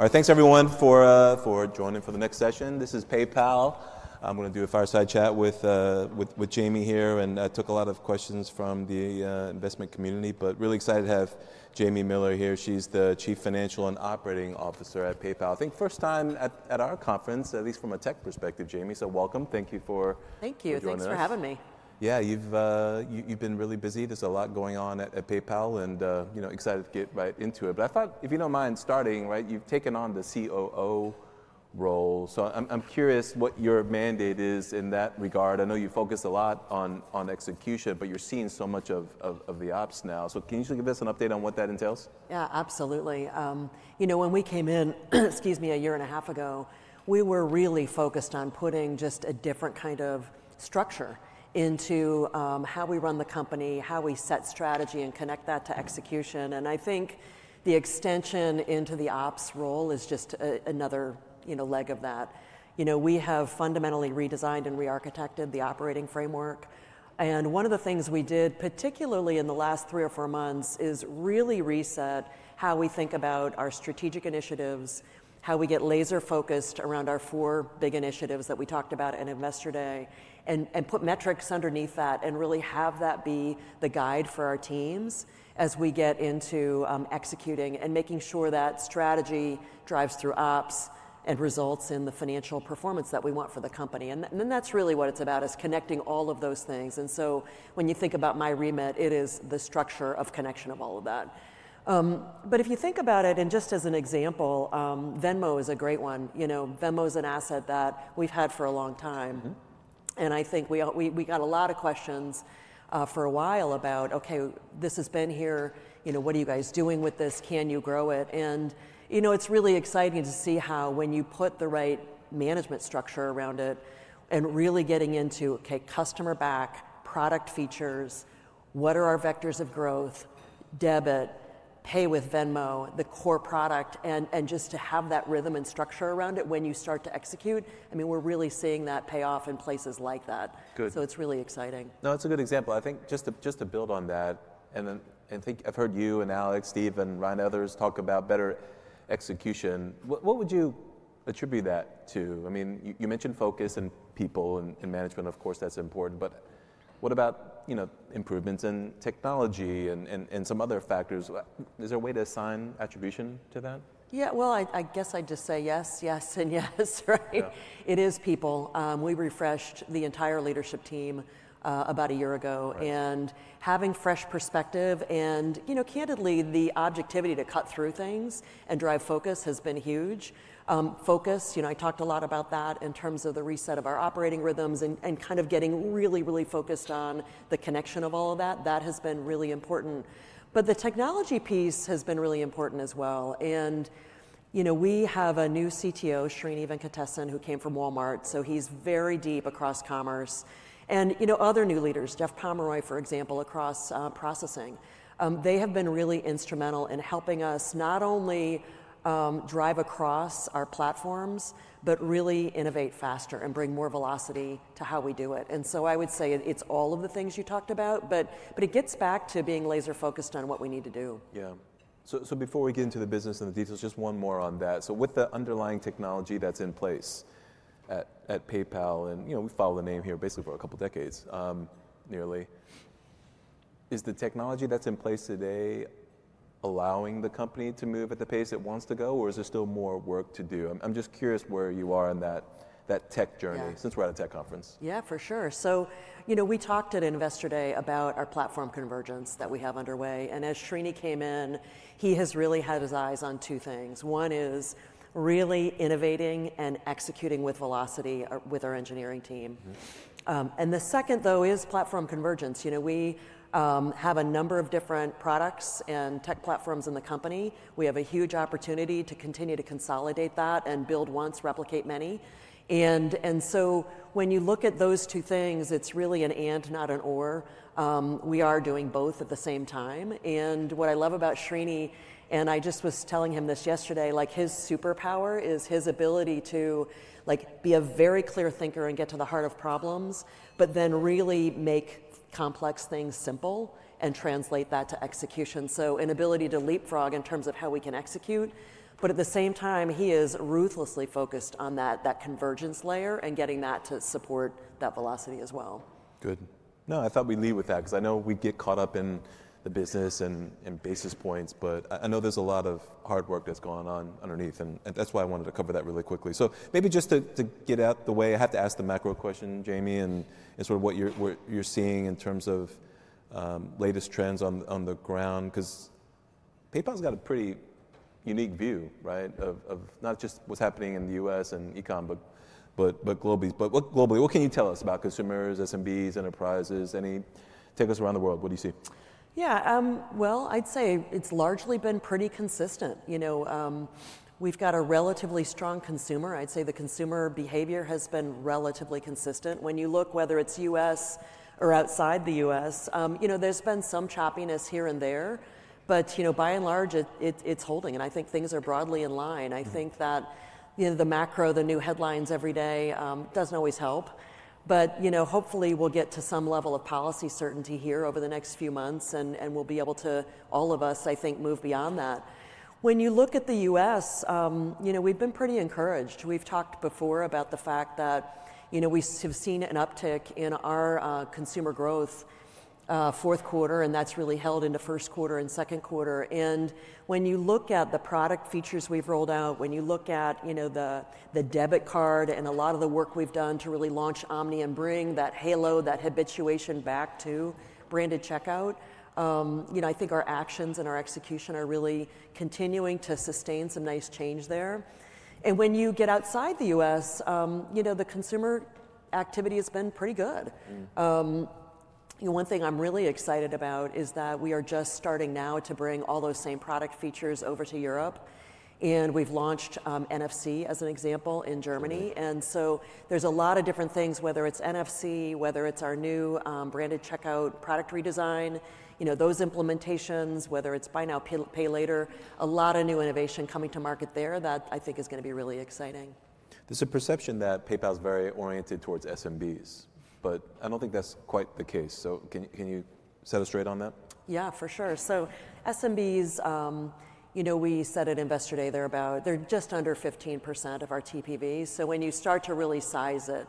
All right, thanks everyone for joining for the next session. This is PayPal. I'm going to do a fireside chat with Jamie here, and I took a lot of questions from the investment community, but really excited to have Jamie Miller here. She's the Chief Financial and Operating Officer at PayPal. I think first time at our conference, at least from a tech perspective, Jamie. So welcome. Thank you for joining us. Thank you. Thanks for having me. Yeah, you've been really busy. There's a lot going on at PayPal, and excited to get right into it. I thought, if you don't mind starting, you've taken on the COO role. I'm curious what your mandate is in that regard. I know you focus a lot on execution, but you're seeing so much of the ops now. Can you just give us an update on what that entails? Yeah, absolutely. You know, when we came in, excuse me, a year and a half ago, we were really focused on putting just a different kind of structure into how we run the company, how we set strategy, and connect that to execution. I think the extension into the ops role is just another leg of that. We have fundamentally redesigned and re-architected the operating framework. One of the things we did, particularly in the last three or four months, is really reset how we think about our strategic initiatives, how we get laser-focused around our four big initiatives that we talked about at Investor Day, and put metrics underneath that, and really have that be the guide for our teams as we get into executing and making sure that strategy drives through ops and results in the financial performance that we want for the company. That is really what it's about, connecting all of those things. When you think about my remit, it is the structure of connection of all of that. If you think about it, just as an example, Venmo is a great one. Venmo is an asset that we've had for a long time. I think we got a lot of questions for a while about, okay, this has been here. What are you guys doing with this? Can you grow it? It is really exciting to see how when you put the right management structure around it and really getting into, okay, customer back, product features, what are our vectors of growth, debit, Pay with Venmo, the core product, and just to have that rhythm and structure around it when you start to execute, I mean, we're really seeing that pay off in places like that. It is really exciting. No, that's a good example. I think just to build on that, and I think I've heard you and Alex, Steve, and Ryan and others talk about better execution. What would you attribute that to? I mean, you mentioned focus and people and management, of course, that's important. What about improvements in technology and some other factors? Is there a way to assign attribution to that? Yeah, I guess I'd just say yes, yes, and yes. It is people. We refreshed the entire leadership team about a year ago. Having fresh perspective and, candidly, the objectivity to cut through things and drive focus has been huge. Focus, I talked a lot about that in terms of the reset of our operating rhythms and kind of getting really, really focused on the connection of all of that. That has been really important. The technology piece has been really important as well. We have a new CTO, Srini Venkatesan, who came from Walmart. He's very deep across commerce. Other new leaders, Jeff Pomeroy, for example, across processing, have been really instrumental in helping us not only drive across our platforms, but really innovate faster and bring more velocity to how we do it. I would say it's all of the things you talked about, but it gets back to being laser-focused on what we need to do. Yeah. Before we get into the business and the details, just one more on that. With the underlying technology that's in place at PayPal, and we follow the name here basically for a couple of decades nearly, is the technology that's in place today allowing the company to move at the pace it wants to go, or is there still more work to do? I'm just curious where you are in that tech journey, since we're at a tech conference. Yeah, for sure. We talked at Investor Day about our platform convergence that we have underway. As Srini came in, he has really had his eyes on two things. One is really innovating and executing with velocity with our engineering team. The second, though, is platform convergence. We have a number of different products and tech platforms in the company. We have a huge opportunity to continue to consolidate that and build once, replicate many. When you look at those two things, it's really an and not an or. We are doing both at the same time. What I love about Srini, and I just was telling him this yesterday, his superpower is his ability to be a very clear thinker and get to the heart of problems, but then really make complex things simple and translate that to execution. An ability to leapfrog in terms of how we can execute. At the same time, he is ruthlessly focused on that convergence layer and getting that to support that velocity as well. Good. No, I thought we'd leave with that because I know we get caught up in the business and basis points, but I know there's a lot of hard work that's going on underneath. That's why I wanted to cover that really quickly. Maybe just to get out of the way, I have to ask the macro question, Jamie, and sort of what you're seeing in terms of latest trends on the ground because PayPal's got a pretty unique view of not just what's happening in the U.S. and e-com, but globally. Globally, what can you tell us about consumers, SMBs, enterprises? Take us around the world. What do you see? Yeah. I'd say it's largely been pretty consistent. We've got a relatively strong consumer. I'd say the consumer behavior has been relatively consistent. When you look, whether it's U.S. or outside the U.S., there's been some choppiness here and there. By and large, it's holding. I think things are broadly in line. I think that the macro, the new headlines every day, doesn't always help. Hopefully, we'll get to some level of policy certainty here over the next few months, and we'll be able to, all of us, I think, move beyond that. When you look at the U.S., we've been pretty encouraged. We've talked before about the fact that we have seen an uptick in our consumer growth fourth quarter, and that's really held into first quarter and second quarter. When you look at the product features we've rolled out, when you look at the debit card and a lot of the work we've done to really launch Omni and bring that halo, that habituation back to branded checkout, I think our actions and our execution are really continuing to sustain some nice change there. When you get outside the U.S., the consumer activity has been pretty good. One thing I'm really excited about is that we are just starting now to bring all those same product features over to Europe. We've launched NFC as an example in Germany. There are a lot of different things, whether it's NFC, whether it's our new branded checkout product redesign, those implementations, whether it's Buy Now Pay Later, a lot of new innovation coming to market there that I think is going to be really exciting. There's a perception that PayPal is very oriented towards SMBs, but I don't think that's quite the case. Can you set us straight on that? Yeah, for sure. SMBs, we said at Investor Day they're just under 15% of our TPVs. When you start to really size it,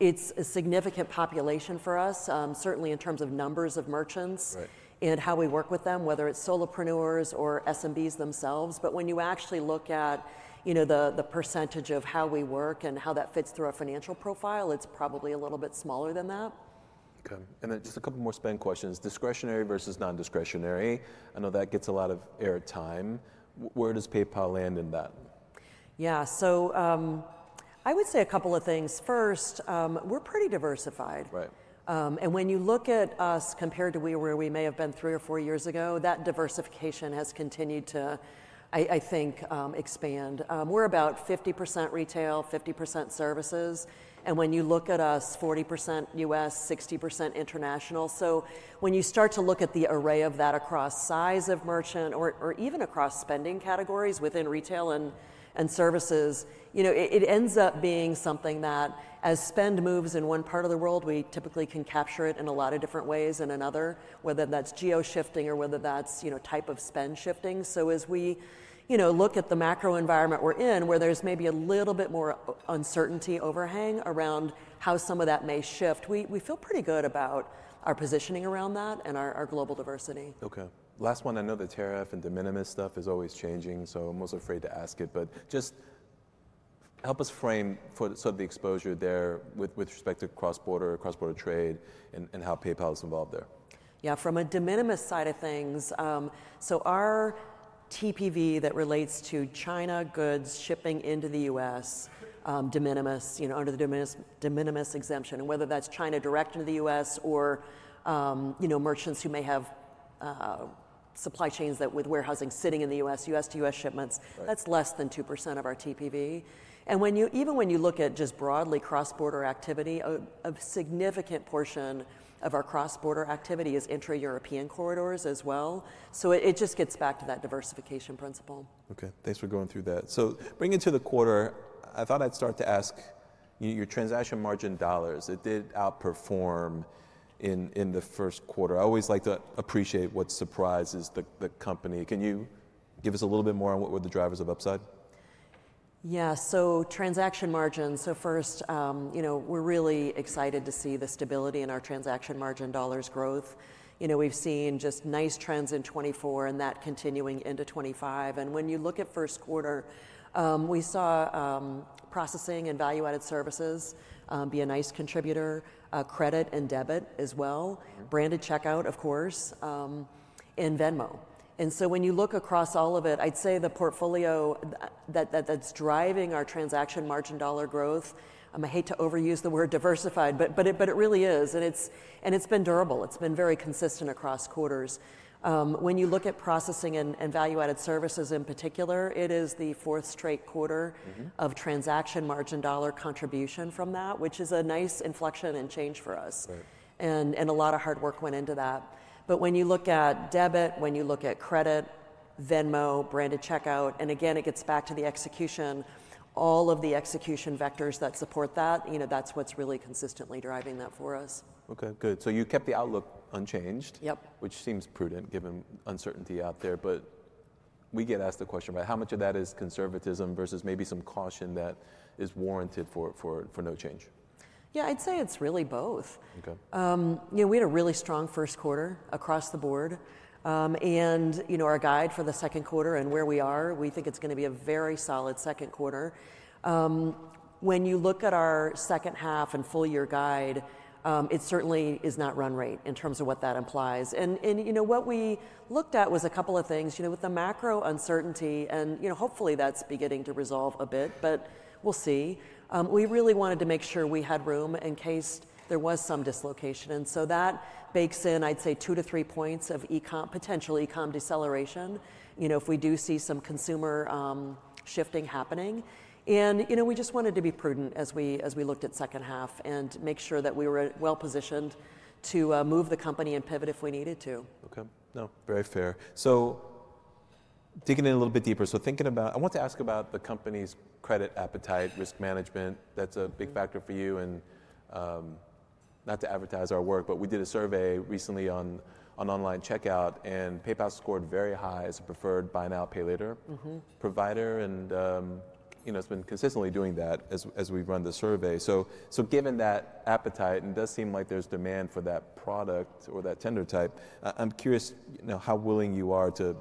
it's a significant population for us, certainly in terms of numbers of merchants and how we work with them, whether it's solopreneurs or SMBs themselves. When you actually look at the percentage of how we work and how that fits through our financial profile, it's probably a little bit smaller than that. Okay. And then just a couple more spend questions. Discretionary versus non-discretionary. I know that gets a lot of air time. Where does PayPal land in that? Yeah. I would say a couple of things. First, we're pretty diversified. When you look at us compared to where we may have been three or four years ago, that diversification has continued to, I think, expand. We're about 50% retail, 50% services. When you look at us, 40% U.S., 60% international. When you start to look at the array of that across size of merchant or even across spending categories within retail and services, it ends up being something that as spend moves in one part of the world, we typically can capture it in a lot of different ways in another, whether that's geo-shifting or whether that's type of spend shifting. As we look at the macro environment we're in, where there's maybe a little bit more uncertainty overhang around how some of that may shift, we feel pretty good about our positioning around that and our global diversity. Okay. Last one. I know the tariff and de minimis stuff is always changing, so I'm most afraid to ask it, but just help us frame sort of the exposure there with respect to cross-border, cross-border trade and how PayPal is involved there. Yeah, from a de minimis side of things, our TPV that relates to China goods shipping into the U.S., de minimis, under the de minimis exemption, whether that's China direct into the U.S. or merchants who may have supply chains with warehousing sitting in the U.S., U.S. to U.S. shipments, that's less than 2% of our TPV. Even when you look at just broadly cross-border activity, a significant portion of our cross-border activity is intra-European corridors as well. It just gets back to that diversification principle. Okay. Thanks for going through that. Bringing it to the quarter, I thought I'd start to ask your transaction margin dollars. It did outperform in the first quarter. I always like to appreciate what surprises the company. Can you give us a little bit more on what were the drivers of upside? Yeah. Transaction margins. First, we're really excited to see the stability in our transaction margin dollars growth. We've seen just nice trends in 2024 and that continuing into 2025. When you look at first quarter, we saw processing and value-added services be a nice contributor, credit and debit as well, branded checkout, of course, and Venmo. When you look across all of it, I'd say the portfolio that's driving our transaction margin dollar growth, I hate to overuse the word diversified, but it really is. It's been durable. It's been very consistent across quarters. When you look at processing and value-added services in particular, it is the fourth straight quarter of transaction margin dollar contribution from that, which is a nice inflection and change for us. A lot of hard work went into that. When you look at debit, when you look at credit, Venmo, branded checkout, and again, it gets back to the execution, all of the execution vectors that support that, that's what's really consistently driving that for us. Okay. Good. You kept the outlook unchanged, which seems prudent given uncertainty out there. We get asked the question, right? How much of that is conservatism versus maybe some caution that is warranted for no change? Yeah, I'd say it's really both. We had a really strong first quarter across the board. Our guide for the second quarter and where we are, we think it's going to be a very solid second quarter. When you look at our second half and full year guide, it certainly is not run rate in terms of what that implies. What we looked at was a couple of things. With the macro uncertainty, and hopefully that's beginning to resolve a bit, but we'll see. We really wanted to make sure we had room in case there was some dislocation. That bakes in, I'd say, two to three points of potential e-com deceleration if we do see some consumer shifting happening. We just wanted to be prudent as we looked at second half and make sure that we were well positioned to move the company and pivot if we needed to. Okay. No, very fair. Digging in a little bit deeper. Thinking about, I want to ask about the company's credit appetite, risk management. That's a big factor for you. Not to advertise our work, but we did a survey recently on online checkout, and PayPal scored very high as a preferred Buy Now Pay Later provider. It's been consistently doing that as we've run the survey. Given that appetite, and it does seem like there's demand for that product or that tender type, I'm curious how willing you are to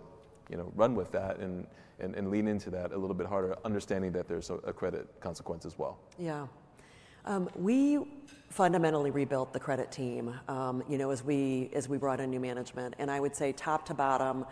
run with that and lean into that a little bit harder, understanding that there's a credit consequence as well. Yeah. We fundamentally rebuilt the credit team as we brought in new management. I would say top to bottom,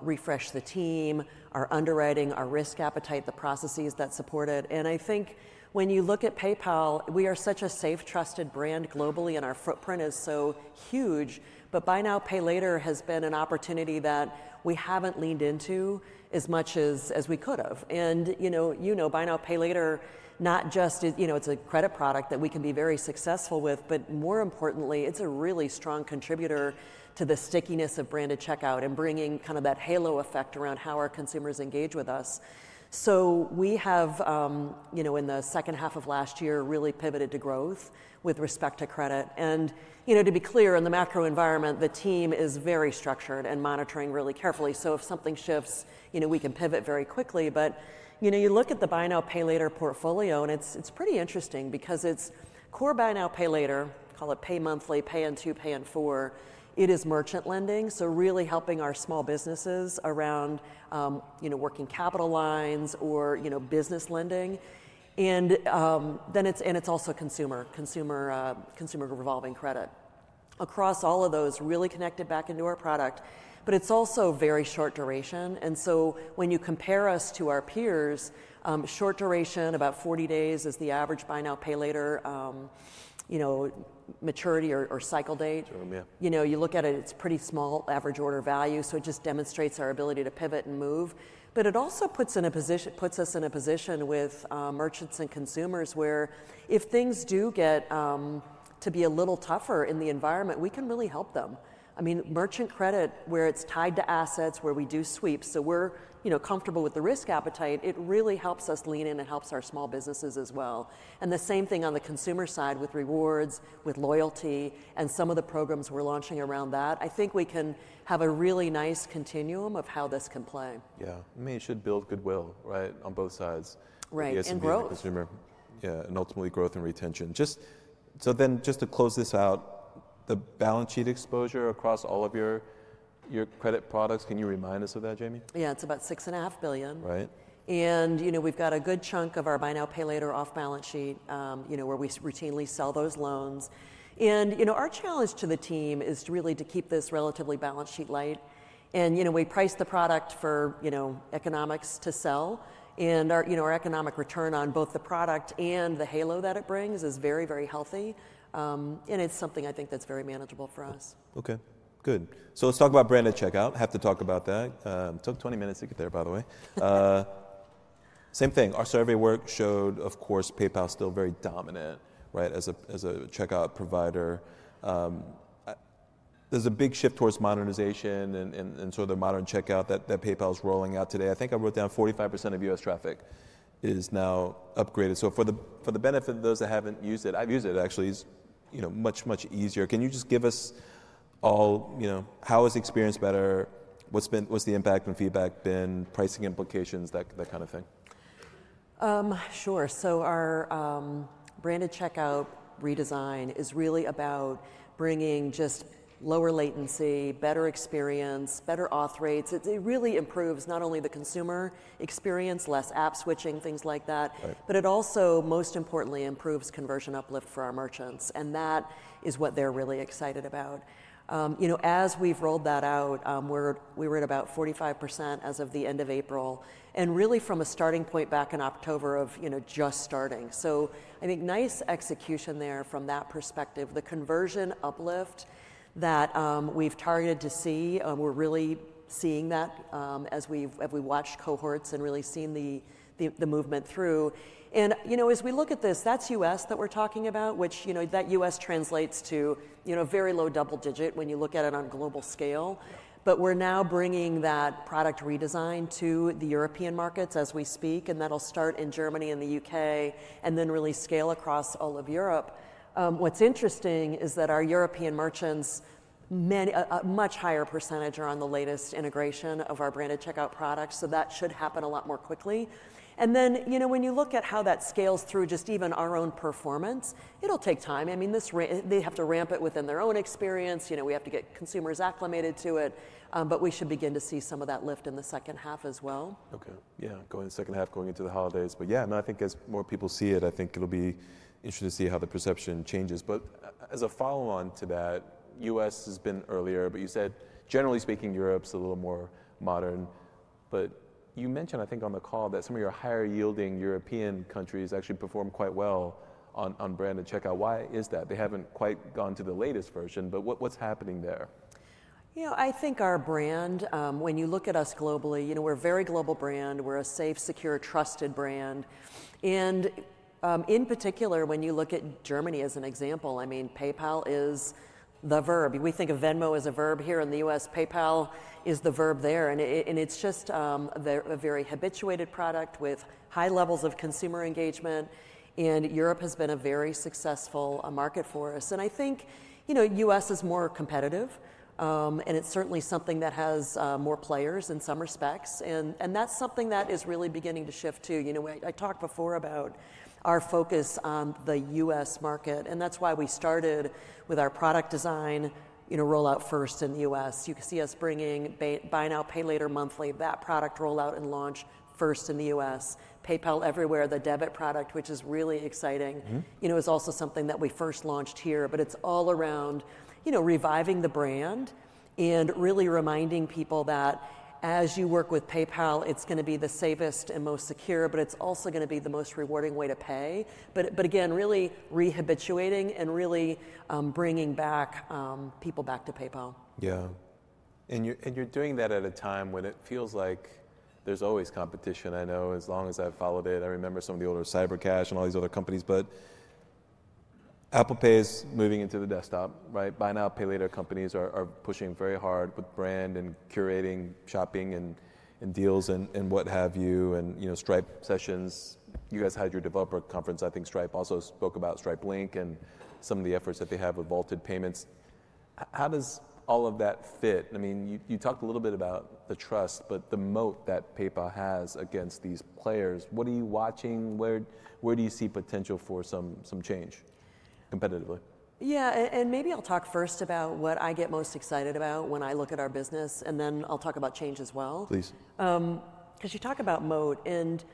refresh the team, our underwriting, our risk appetite, the processes that support it. I think when you look at PayPal, we are such a safe, trusted brand globally, and our footprint is so huge. Buy Now Pay Later has been an opportunity that we have not leaned into as much as we could have. You know, Buy Now Pay Later not just is a credit product that we can be very successful with, but more importantly, it is a really strong contributor to the stickiness of branded checkout and bringing kind of that halo effect around how our consumers engage with us. We have, in the second half of last year, really pivoted to growth with respect to credit. To be clear, in the macro environment, the team is very structured and monitoring really carefully. If something shifts, we can pivot very quickly. You look at the Buy Now Pay Later portfolio, and it's pretty interesting because it's core Buy Now Pay Later, call it Pay Monthly, Pay in 2, Pay in 4. It is merchant lending, so really helping our small businesses around working capital lines or business lending. Then it's also consumer revolving credit. Across all of those, really connected back into our product, but it's also very short duration. When you compare us to our peers, short duration, about 40 days is the average Buy Now Pay Later maturity or cycle date. You look at it, it's pretty small average order value. It just demonstrates our ability to pivot and move. It also puts us in a position with merchants and consumers where if things do get to be a little tougher in the environment, we can really help them. I mean, merchant credit where it's tied to assets, where we do sweep, so we're comfortable with the risk appetite, it really helps us lean in and helps our small businesses as well. The same thing on the consumer side with rewards, with loyalty, and some of the programs we're launching around that. I think we can have a really nice continuum of how this can play. Yeah. I mean, it should build goodwill, right, on both sides. Right. And growth. Yeah. And ultimately, growth and retention. Just to close this out, the balance sheet exposure across all of your credit products, can you remind us of that, Jamie? Yeah. It's about $6.5 billion. And we've got a good chunk of our Buy Now Pay Later off-balance sheet where we routinely sell those loans. And our challenge to the team is really to keep this relatively balance sheet light. And we price the product for economics to sell. And our economic return on both the product and the halo that it brings is very, very healthy. And it's something I think that's very manageable for us. Okay. Good. Let's talk about branded checkout. Have to talk about that. Took 20 minutes to get there, by the way. Same thing. Our survey work showed, of course, PayPal is still very dominant, right, as a checkout provider. There's a big shift towards modernization and sort of the modern checkout that PayPal is rolling out today. I think I wrote down 45% of US traffic is now upgraded. For the benefit of those that haven't used it, I've used it, actually, it is much, much easier. Can you just give us all how has experience better? What's the impact on feedback been? Pricing implications, that kind of thing. Sure. Our branded checkout redesign is really about bringing just lower latency, better experience, better auth rates. It really improves not only the consumer experience, less app switching, things like that, but it also, most importantly, improves conversion uplift for our merchants. That is what they're really excited about. As we've rolled that out, we were at about 45% as of the end of April, and really from a starting point back in October of just starting. I think nice execution there from that perspective. The conversion uplift that we've targeted to see, we're really seeing that as we've watched cohorts and really seen the movement through. As we look at this, that's U.S. that we're talking about, which that U.S. translates to a very low double digit when you look at it on global scale. We're now bringing that product redesign to the European markets as we speak. That'll start in Germany and the U.K. and then really scale across all of Europe. What's interesting is that our European merchants, a much higher percentage are on the latest integration of our branded checkout products. That should happen a lot more quickly. When you look at how that scales through just even our own performance, it'll take time. I mean, they have to ramp it within their own experience. We have to get consumers acclimated to it. We should begin to see some of that lift in the second half as well. Okay. Yeah. Going to the second half, going into the holidays. Yeah, no, I think as more people see it, I think it'll be interesting to see how the perception changes. As a follow-on to that, U.S. has been earlier, but you said, generally speaking, Europe's a little more modern. You mentioned, I think on the call, that some of your higher-yielding European countries actually perform quite well on branded checkout. Why is that? They haven't quite gone to the latest version. What's happening there? I think our brand, when you look at us globally, we're a very global brand. We're a safe, secure, trusted brand. In particular, when you look at Germany as an example, I mean, PayPal is the verb. We think of Venmo as a verb here in the U.S. PayPal is the verb there. It's just a very habituated product with high levels of consumer engagement. Europe has been a very successful market for us. I think the U.S. is more competitive. It's certainly something that has more players in some respects. That's something that is really beginning to shift too. I talked before about our focus on the U.S. market. That's why we started with our product design rollout first in the U.S. You can see us bringing Buy Now Pay Later monthly, that product rollout and launch first in the U.S. PayPal Everywhere, the debit product, which is really exciting, is also something that we first launched here. It is all around reviving the brand and really reminding people that as you work with PayPal, it is going to be the safest and most secure, but it is also going to be the most rewarding way to pay. Again, really rehabituating and really bringing people back to PayPal. Yeah. And you're doing that at a time when it feels like there's always competition. I know as long as I've followed it, I remember some of the older Cyber Cash and all these other companies. Apple Pay is moving into the desktop, right? Buy Now Pay Later companies are pushing very hard with brand and curating shopping and deals and what have you. Stripe sessions, you guys had your developer conference. I think Stripe also spoke about Stripe Link and some of the efforts that they have with vaulted payments. How does all of that fit? I mean, you talked a little bit about the trust, but the moat that PayPal has against these players, what are you watching? Where do you see potential for some change competitively? Yeah. Maybe I'll talk first about what I get most excited about when I look at our business. Then I'll talk about change as well. Please. Because you talk about moat. It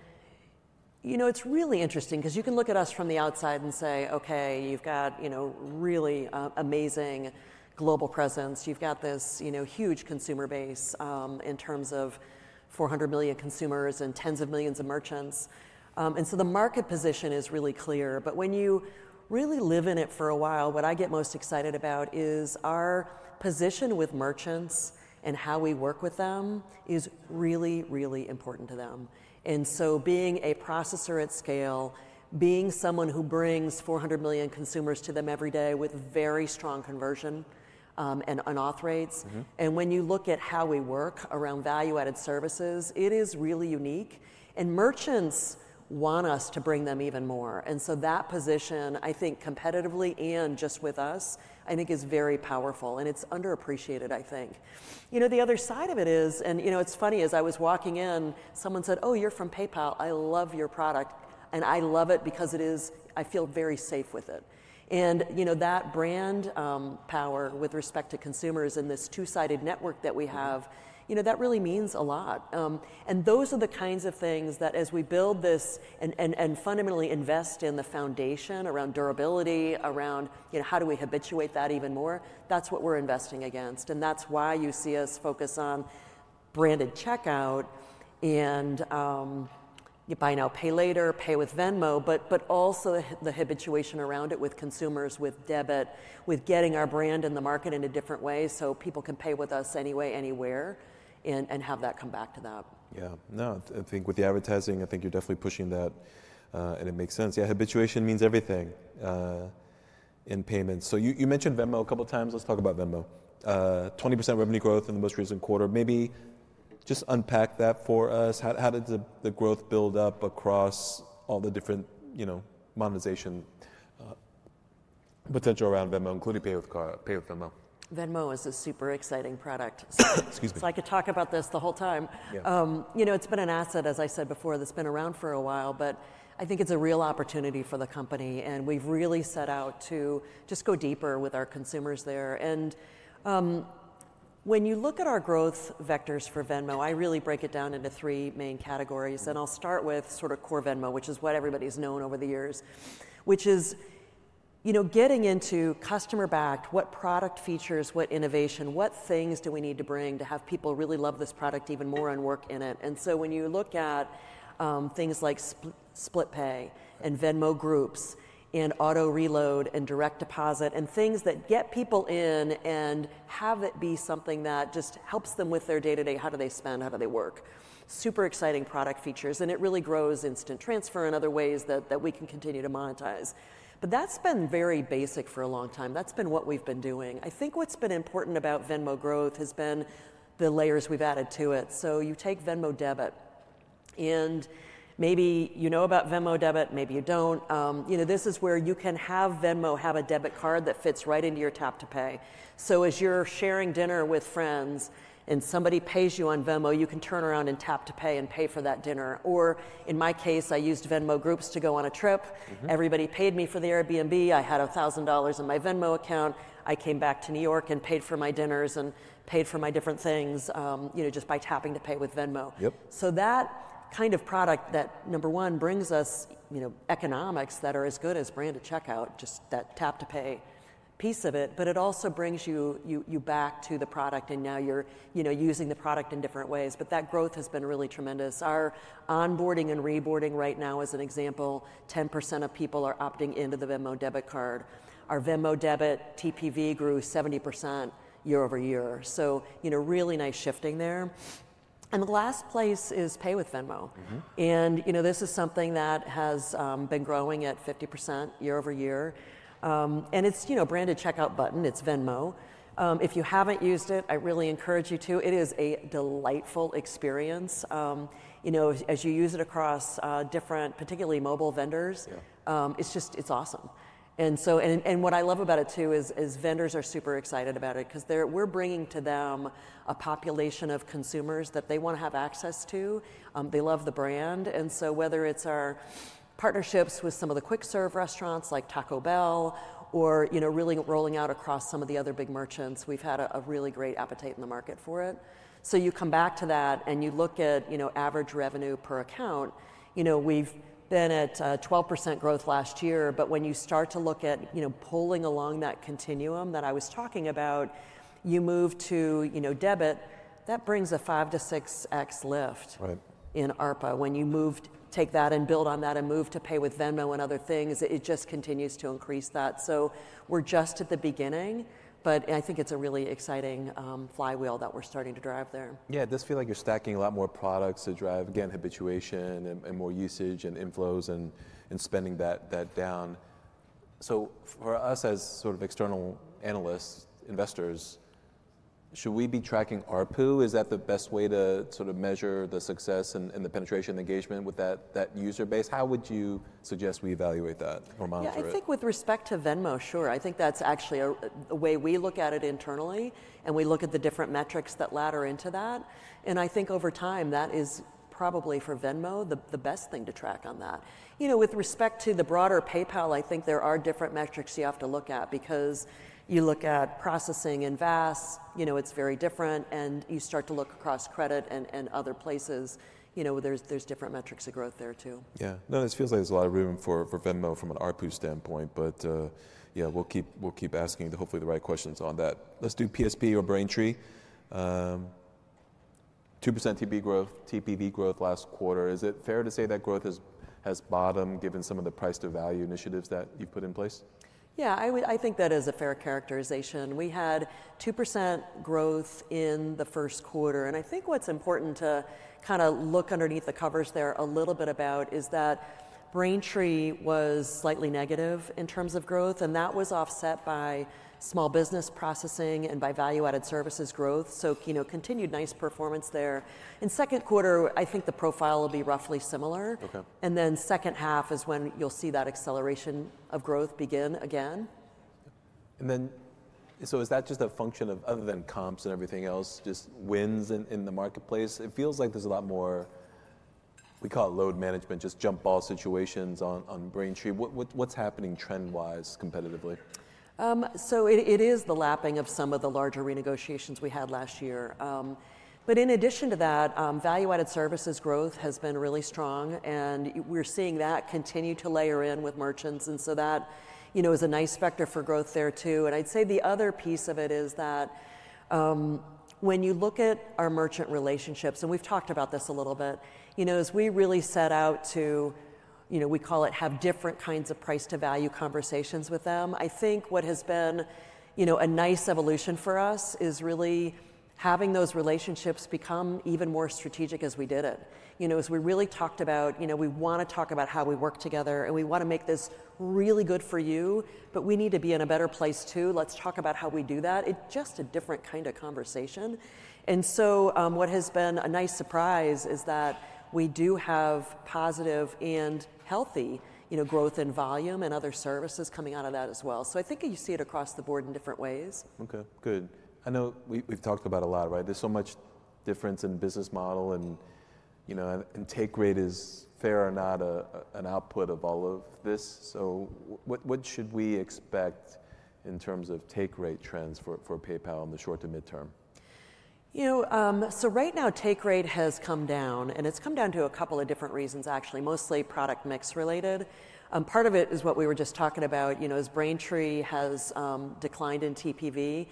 is really interesting because you can look at us from the outside and say, "Okay, you've got really amazing global presence. You've got this huge consumer base in terms of 400 million consumers and tens of millions of merchants." The market position is really clear. When you really live in it for a while, what I get most excited about is our position with merchants and how we work with them is really, really important to them. Being a processor at scale, being someone who brings 400 million consumers to them every day with very strong conversion and unauth rates. When you look at how we work around value-added services, it is really unique. Merchants want us to bring them even more. That position, I think competitively and just with us, I think is very powerful. It is underappreciated, I think. The other side of it is, and it's funny, as I was walking in, someone said, "Oh, you're from PayPal. I love your product. And I love it because I feel very safe with it." That brand power with respect to consumers in this two-sided network that we have, that really means a lot. Those are the kinds of things that as we build this and fundamentally invest in the foundation around durability, around how do we habituate that even more, that's what we're investing against. That is why you see us focus on branded checkout and Buy Now Pay Later, Pay with Venmo, but also the habituation around it with consumers, with debit, with getting our brand in the market in a different way so people can pay with us anyway, anywhere, and have that come back to them. Yeah. No, I think with the advertising, I think you're definitely pushing that. It makes sense. Yeah, habituation means everything in payments. You mentioned Venmo a couple of times. Let's talk about Venmo. 20% revenue growth in the most recent quarter. Maybe just unpack that for us. How did the growth build up across all the different monetization potential around Venmo, including Pay with Venmo? Venmo is a super exciting product. Excuse me. I could talk about this the whole time. It's been an asset, as I said before, that's been around for a while. I think it's a real opportunity for the company. We've really set out to just go deeper with our consumers there. When you look at our growth vectors for Venmo, I really break it down into three main categories. I'll start with sort of core Venmo, which is what everybody's known over the years, which is getting into customer-backed, what product features, what innovation, what things do we need to bring to have people really love this product even more and work in it. When you look at things like Split Pay and Venmo Groups and auto reload and direct deposit and things that get people in and have it be something that just helps them with their day-to-day, how do they spend, how do they work, super exciting product features. It really grows instant transfer and other ways that we can continue to monetize. That's been very basic for a long time. That's been what we've been doing. I think what's been important about Venmo growth has been the layers we've added to it. You take Venmo Debit. Maybe you know about Venmo Debit, maybe you don't. This is where you can have Venmo have a debit card that fits right into your tap to pay. As you're sharing dinner with friends and somebody pays you on Venmo, you can turn around and tap to pay and pay for that dinner. In my case, I used Venmo Groups to go on a trip. Everybody paid me for the Airbnb. I had $1,000 in my Venmo account. I came back to New York and paid for my dinners and paid for my different things just by tapping to Pay with Venmo. That kind of product, number one, brings us economics that are as good as branded checkout, just that tap to pay piece of it. It also brings you back to the product. Now you're using the product in different ways. That growth has been really tremendous. Our onboarding and reboarding right now, as an example, 10% of people are opting into the Venmo debit card. Our Venmo Debit TPV grew 70% year over year. Really nice shifting there. The last place is Pay with Venmo. This is something that has been growing at 50% year over year. It is a branded checkout button. It is Venmo. If you have not used it, I really encourage you to. It is a delightful experience. As you use it across different, particularly mobile vendors, it is awesome. What I love about it too is vendors are super excited about it because we are bringing to them a population of consumers that they want to have access to. They love the brand. Whether it is our partnerships with some of the quick-serve restaurants like Taco Bell or really rolling out across some of the other big merchants, we have had a really great appetite in the market for it. You come back to that and you look at average revenue per account, we've been at 12% growth last year. When you start to look at pulling along that continuum that I was talking about, you move to debit, that brings a 5x-6x lift in ARPU. When you take that and build on that and move to pay with Venmo and other things, it just continues to increase that. We're just at the beginning. I think it's a really exciting flywheel that we're starting to drive there. Yeah. It does feel like you're stacking a lot more products to drive, again, habituation and more usage and inflows and spending that down. For us as sort of external analysts, investors, should we be tracking ARPU? Is that the best way to sort of measure the success and the penetration engagement with that user base? How would you suggest we evaluate that or monitor it? Yeah. I think with respect to Venmo, sure. I think that's actually a way we look at it internally. We look at the different metrics that ladder into that. I think over time, that is probably for Venmo the best thing to track on that. With respect to the broader PayPal, I think there are different metrics you have to look at because you look at processing and VAS, it's very different. You start to look across credit and other places. There are different metrics of growth there too. Yeah. No, it feels like there's a lot of room for Venmo from an ARPU standpoint. Yeah, we'll keep asking hopefully the right questions on that. Let's do PSP or Braintree. 2% TPV growth last quarter. Is it fair to say that growth has bottomed given some of the price-to-value initiatives that you've put in place? Yeah. I think that is a fair characterization. We had 2% growth in the first quarter. I think what's important to kind of look underneath the covers there a little bit about is that Braintree was slightly negative in terms of growth. That was offset by small business processing and by value-added services growth. Continued nice performance there. In second quarter, I think the profile will be roughly similar. The second half is when you'll see that acceleration of growth begin again. Is that just a function of, other than comps and everything else, just wins in the marketplace? It feels like there's a lot more, we call it load management, just jump ball situations on Braintree. What's happening trend-wise competitively? It is the lapping of some of the larger renegotiations we had last year. In addition to that, value-added services growth has been really strong. We are seeing that continue to layer in with merchants. That is a nice vector for growth there too. I'd say the other piece of it is that when you look at our merchant relationships, and we've talked about this a little bit, as we really set out to, we call it have different kinds of price-to-value conversations with them, I think what has been a nice evolution for us is really having those relationships become even more strategic as we did it. As we really talked about, we want to talk about how we work together. We want to make this really good for you. We need to be in a better place too. Let's talk about how we do that. It's just a different kind of conversation. What has been a nice surprise is that we do have positive and healthy growth in volume and other services coming out of that as well. I think you see it across the board in different ways. Okay. Good. I know we've talked about a lot, right? There's so much difference in business model. And take rate is fair or not an output of all of this. So what should we expect in terms of take rate trends for PayPal in the short to midterm? Right now, take rate has come down. It has come down for a couple of different reasons, actually, mostly product mix related. Part of it is what we were just talking about is Braintree has declined in TPV.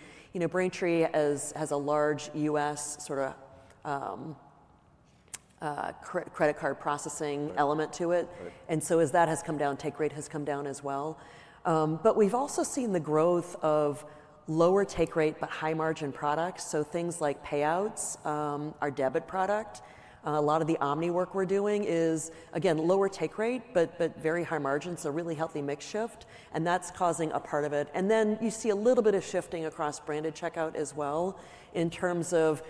Braintree has a large U.S. sort of credit card processing element to it. As that has come down, take rate has come down as well. We have also seen the growth of lower take rate but high margin products. Things like payouts, our debit product, a lot of the Omni work we are doing is, again, lower take rate but very high margins, a really healthy mix shift. That is causing a part of it. You see a little bit of shifting across branded checkout as well in terms of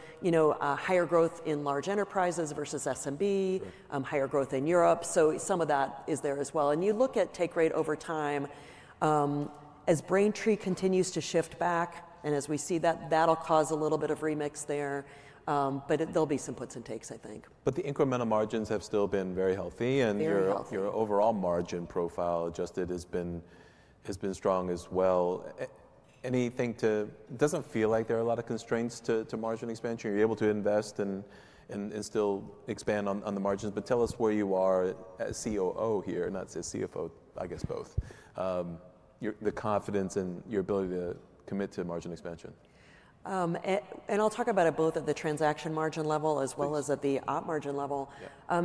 higher growth in large enterprises versus SMB, higher growth in Europe. Some of that is there as well. You look at take rate over time, as Braintree continues to shift back. As we see that, that'll cause a little bit of remix there. There'll be some puts and takes, I think. The incremental margins have still been very healthy. Your overall margin profile adjusted has been strong as well. Anything to, does not feel like there are a lot of constraints to margin expansion. You are able to invest and still expand on the margins. Tell us where you are as COO here, not as CFO, I guess both, the confidence in your ability to commit to margin expansion. I will talk about it both at the transaction margin level as well as at the op margin level.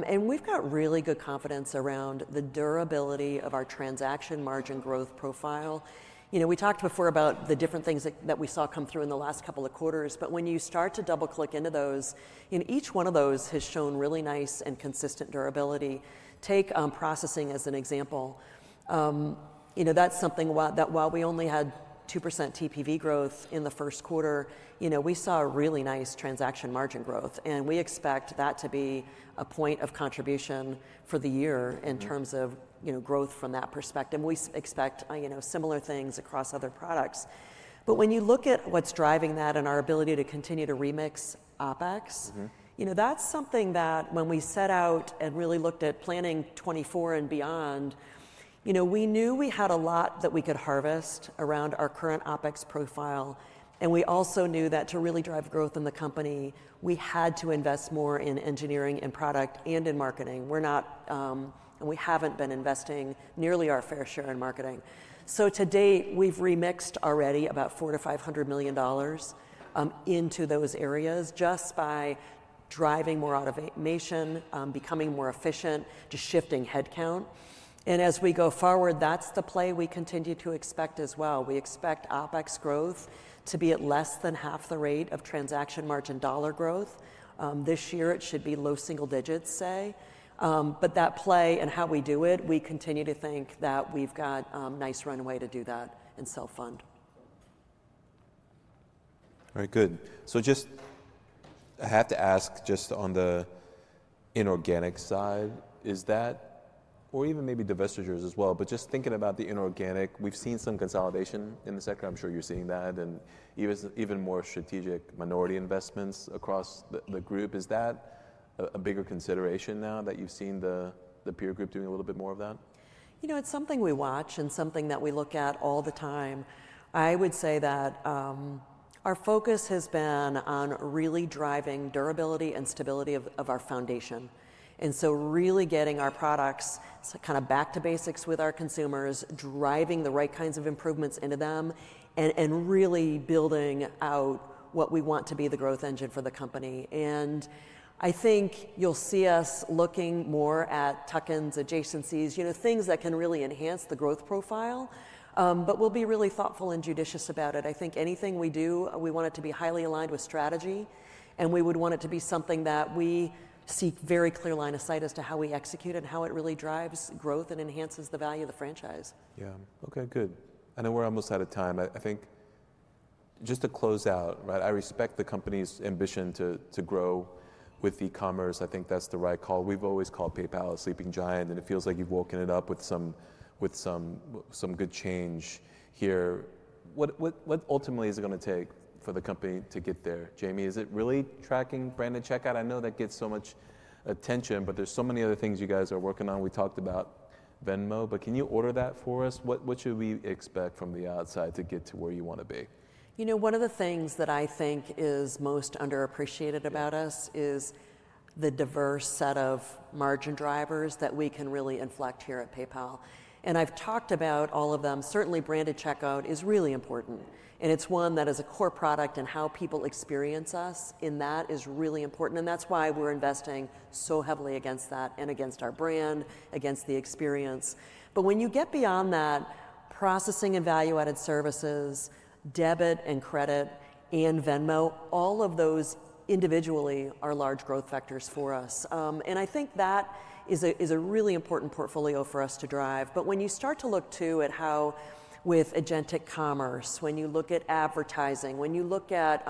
We have really good confidence around the durability of our transaction margin growth profile. We talked before about the different things that we saw come through in the last couple of quarters. When you start to double-click into those, each one of those has shown really nice and consistent durability. Take processing as an example. That is something that while we only had 2% TPV growth in the first quarter, we saw a really nice transaction margin growth. We expect that to be a point of contribution for the year in terms of growth from that perspective. We expect similar things across other products. When you look at what's driving that and our ability to continue to remix OpEx, that's something that when we set out and really looked at planning 2024 and beyond, we knew we had a lot that we could harvest around our current OpEx profile. We also knew that to really drive growth in the company, we had to invest more in engineering and product and in marketing. We haven't been investing nearly our fair share in marketing. To date, we've remixed already about $400 million-$500 million into those areas just by driving more automation, becoming more efficient to shifting headcount. As we go forward, that's the play we continue to expect as well. We expect OpEx growth to be at less than half the rate of transaction margin dollar growth. This year, it should be low single digits, say. That play and how we do it, we continue to think that we've got a nice runway to do that and self-fund. All right. Good. Just I have to ask just on the inorganic side, is that or even maybe divestitures as well. Just thinking about the inorganic, we've seen some consolidation in the sector. I'm sure you're seeing that and even more strategic minority investments across the group. Is that a bigger consideration now that you've seen the peer group doing a little bit more of that? It's something we watch and something that we look at all the time. I would say that our focus has been on really driving durability and stability of our foundation. Really getting our products kind of back to basics with our consumers, driving the right kinds of improvements into them, and really building out what we want to be the growth engine for the company. I think you'll see us looking more at tuck-ins, adjacencies, things that can really enhance the growth profile. We will be really thoughtful and judicious about it. I think anything we do, we want it to be highly aligned with strategy. We would want it to be something that we seek very clear line of sight as to how we execute and how it really drives growth and enhances the value of the franchise. Yeah. Okay. Good. I know we're almost out of time. I think just to close out, I respect the company's ambition to grow with e-commerce. I think that's the right call. We've always called PayPal a sleeping giant. It feels like you've woken it up with some good change here. What ultimately is it going to take for the company to get there? Jamie, is it really tracking branded checkout? I know that gets so much attention. There are so many other things you guys are working on. We talked about Venmo. Can you order that for us? What should we expect from the outside to get to where you want to be? One of the things that I think is most underappreciated about us is the diverse set of margin drivers that we can really inflect here at PayPal. I have talked about all of them. Certainly, branded checkout is really important. It is one that is a core product. How people experience us in that is really important. That is why we are investing so heavily against that and against our brand, against the experience. When you get beyond that, processing and value-added services, debit and credit, and Venmo, all of those individually are large growth factors for us. I think that is a really important portfolio for us to drive. When you start to look too at how with agentic commerce, when you look at advertising, when you look at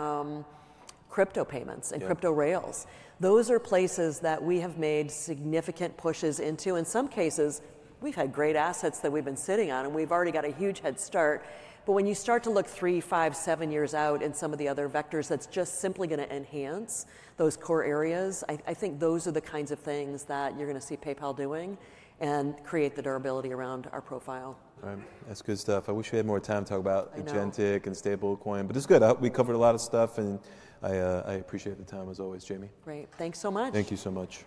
crypto payments and crypto rails, those are places that we have made significant pushes into. In some cases, we've had great assets that we've been sitting on. We've already got a huge head start. When you start to look three, five, seven years out in some of the other vectors, that's just simply going to enhance those core areas. I think those are the kinds of things that you're going to see PayPal doing and create the durability around our profile. That's good stuff. I wish we had more time to talk about agentic and stablecoin. It is good. We covered a lot of stuff. I appreciate the time as always, Jamie. Great. Thanks so much. Thank you so much.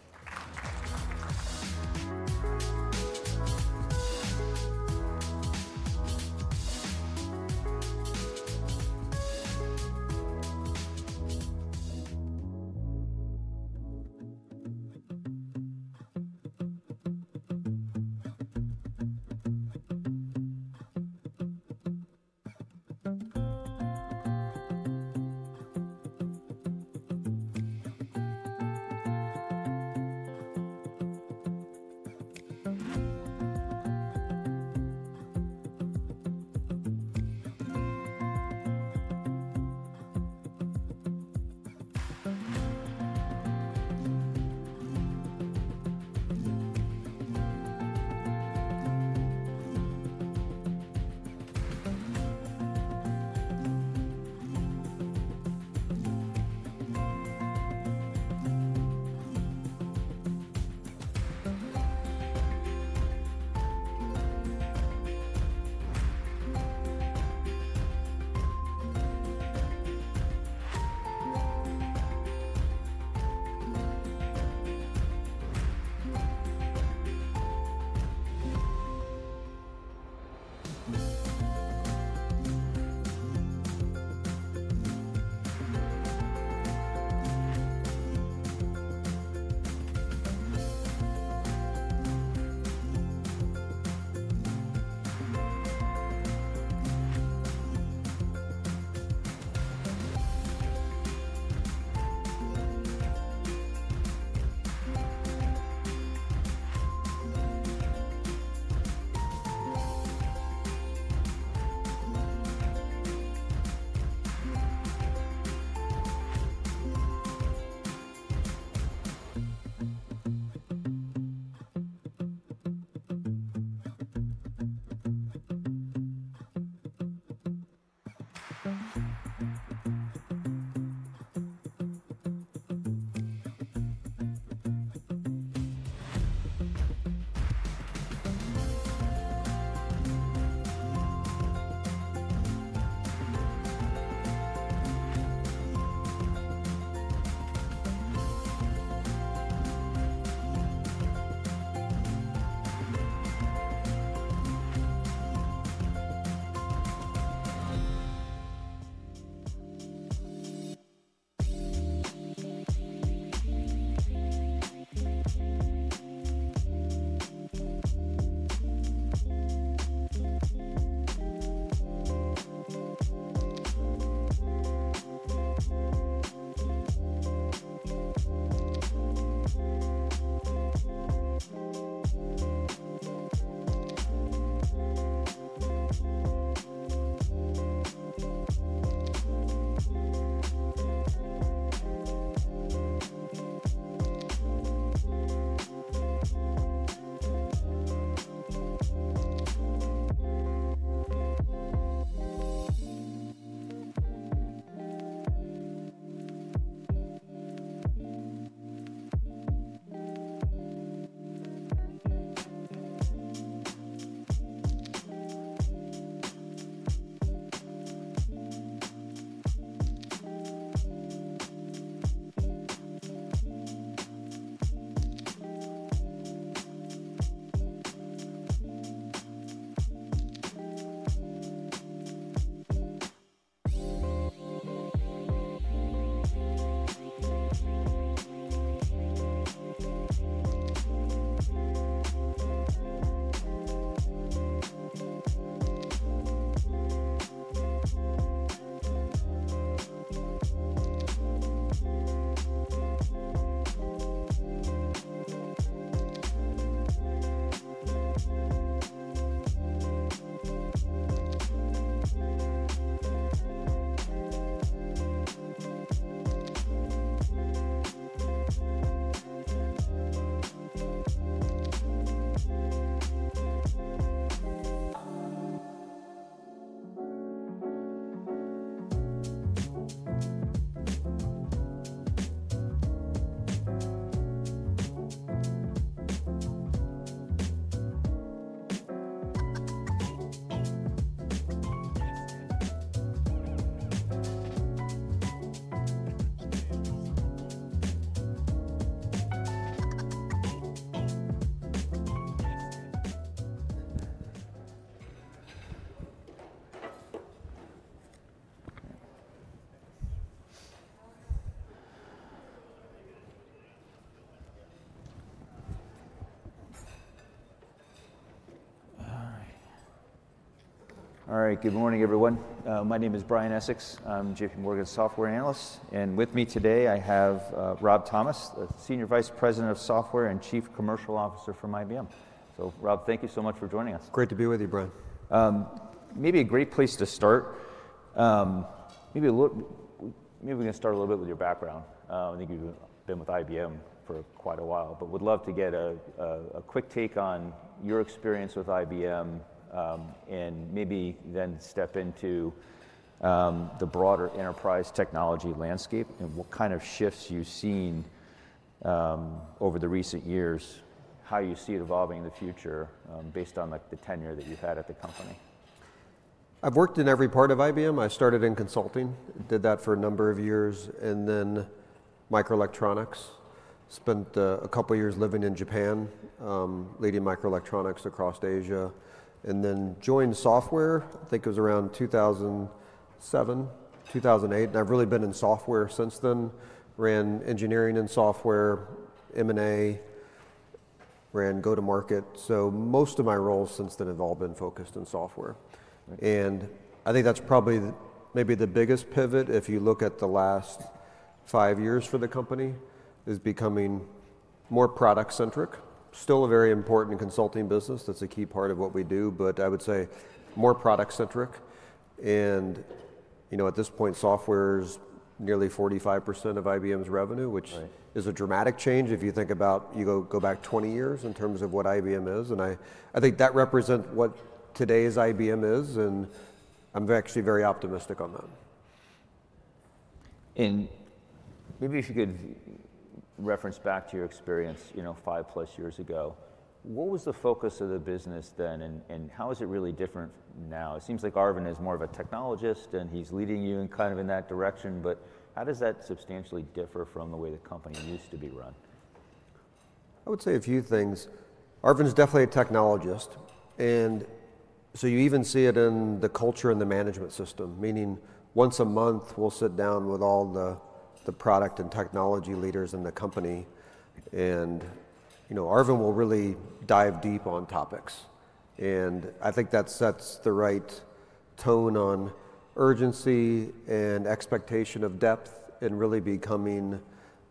All right. Good morning, everyone. My name is Brian Essex. I'm JPMorgan software analyst. And with me today, I have Rob Thomas, the Senior Vice President of Software and Chief Commercial Officer from IBM. Rob, thank you so much for joining us. Great to be with you, Brian. Maybe a great place to start, maybe we can start a little bit with your background. I think you've been with IBM for quite a while. We'd love to get a quick take on your experience with IBM and maybe then step into the broader enterprise technology landscape and what kind of shifts you've seen over the recent years, how you see it evolving in the future based on the tenure that you've had at the company. I've worked in every part of IBM. I started in consulting, did that for a number of years, and then microelectronics. Spent a couple of years living in Japan, leading microelectronics across Asia, and then joined software. I think it was around 2007, 2008. I've really been in software since then, ran engineering and software, M&A, ran go-to-market. Most of my roles since then have all been focused on software. I think that's probably maybe the biggest pivot if you look at the last five years for the company is becoming more product-centric. Still a very important consulting business. That's a key part of what we do. I would say more product-centric. At this point, software is nearly 45% of IBM's revenue, which is a dramatic change if you think about you go back 20 years in terms of what IBM is. I think that represents what today's IBM is. I'm actually very optimistic on that. Maybe if you could reference back to your experience five plus years ago, what was the focus of the business then? How is it really different now? It seems like Arvind is more of a technologist, and he's leading you kind of in that direction. How does that substantially differ from the way the company used to be run? I would say a few things. Arvind is definitely a technologist. You even see it in the culture and the management system, meaning once a month, we'll sit down with all the product and technology leaders in the company. Arvind will really dive deep on topics. I think that sets the right tone on urgency and expectation of depth and really becoming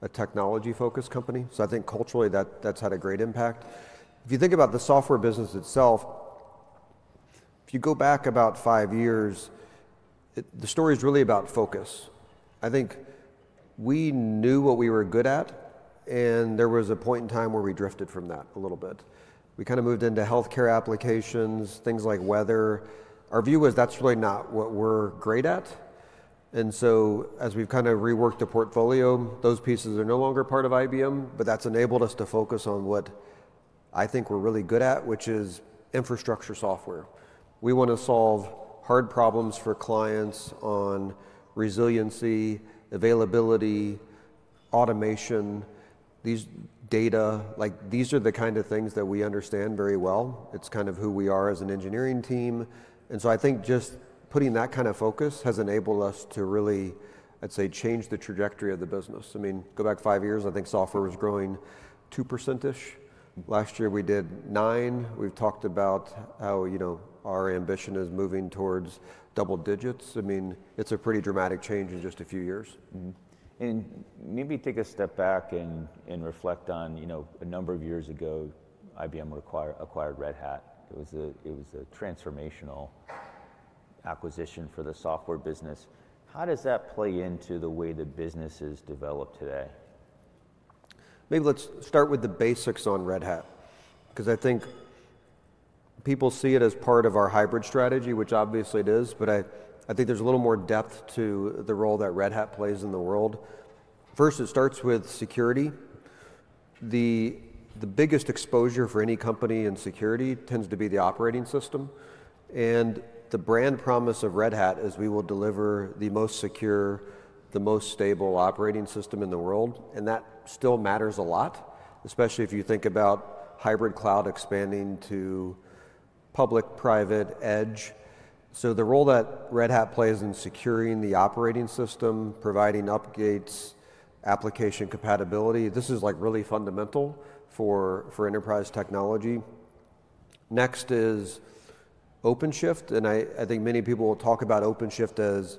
a technology-focused company. I think culturally, that's had a great impact. If you think about the software business itself, if you go back about five years, the story is really about focus. I think we knew what we were good at. There was a point in time where we drifted from that a little bit. We kind of moved into healthcare applications, things like weather. Our view was that's really not what we're great at. As we've kind of reworked the portfolio, those pieces are no longer part of IBM. That has enabled us to focus on what I think we're really good at, which is infrastructure software. We want to solve hard problems for clients on resiliency, availability, automation, these data. These are the kind of things that we understand very well. It's kind of who we are as an engineering team. I think just putting that kind of focus has enabled us to really, I'd say, change the trajectory of the business. I mean, go back five years, I think software was growing 2%-ish. Last year, we did 9%. We've talked about how our ambition is moving towards double digits. I mean, it's a pretty dramatic change in just a few years. Maybe take a step back and reflect on a number of years ago, IBM acquired Red Hat. It was a transformational acquisition for the software business. How does that play into the way the business is developed today? Maybe let's start with the basics on Red Hat. Because I think people see it as part of our hybrid strategy, which obviously it is. I think there's a little more depth to the role that Red Hat plays in the world. First, it starts with security. The biggest exposure for any company in security tends to be the operating system. The brand promise of Red Hat is we will deliver the most secure, the most stable operating system in the world. That still matters a lot, especially if you think about hybrid cloud expanding to public, private, edge. The role that Red Hat plays in securing the operating system, providing updates, application compatibility, this is really fundamental for enterprise technology. Next is OpenShift. I think many people will talk about OpenShift as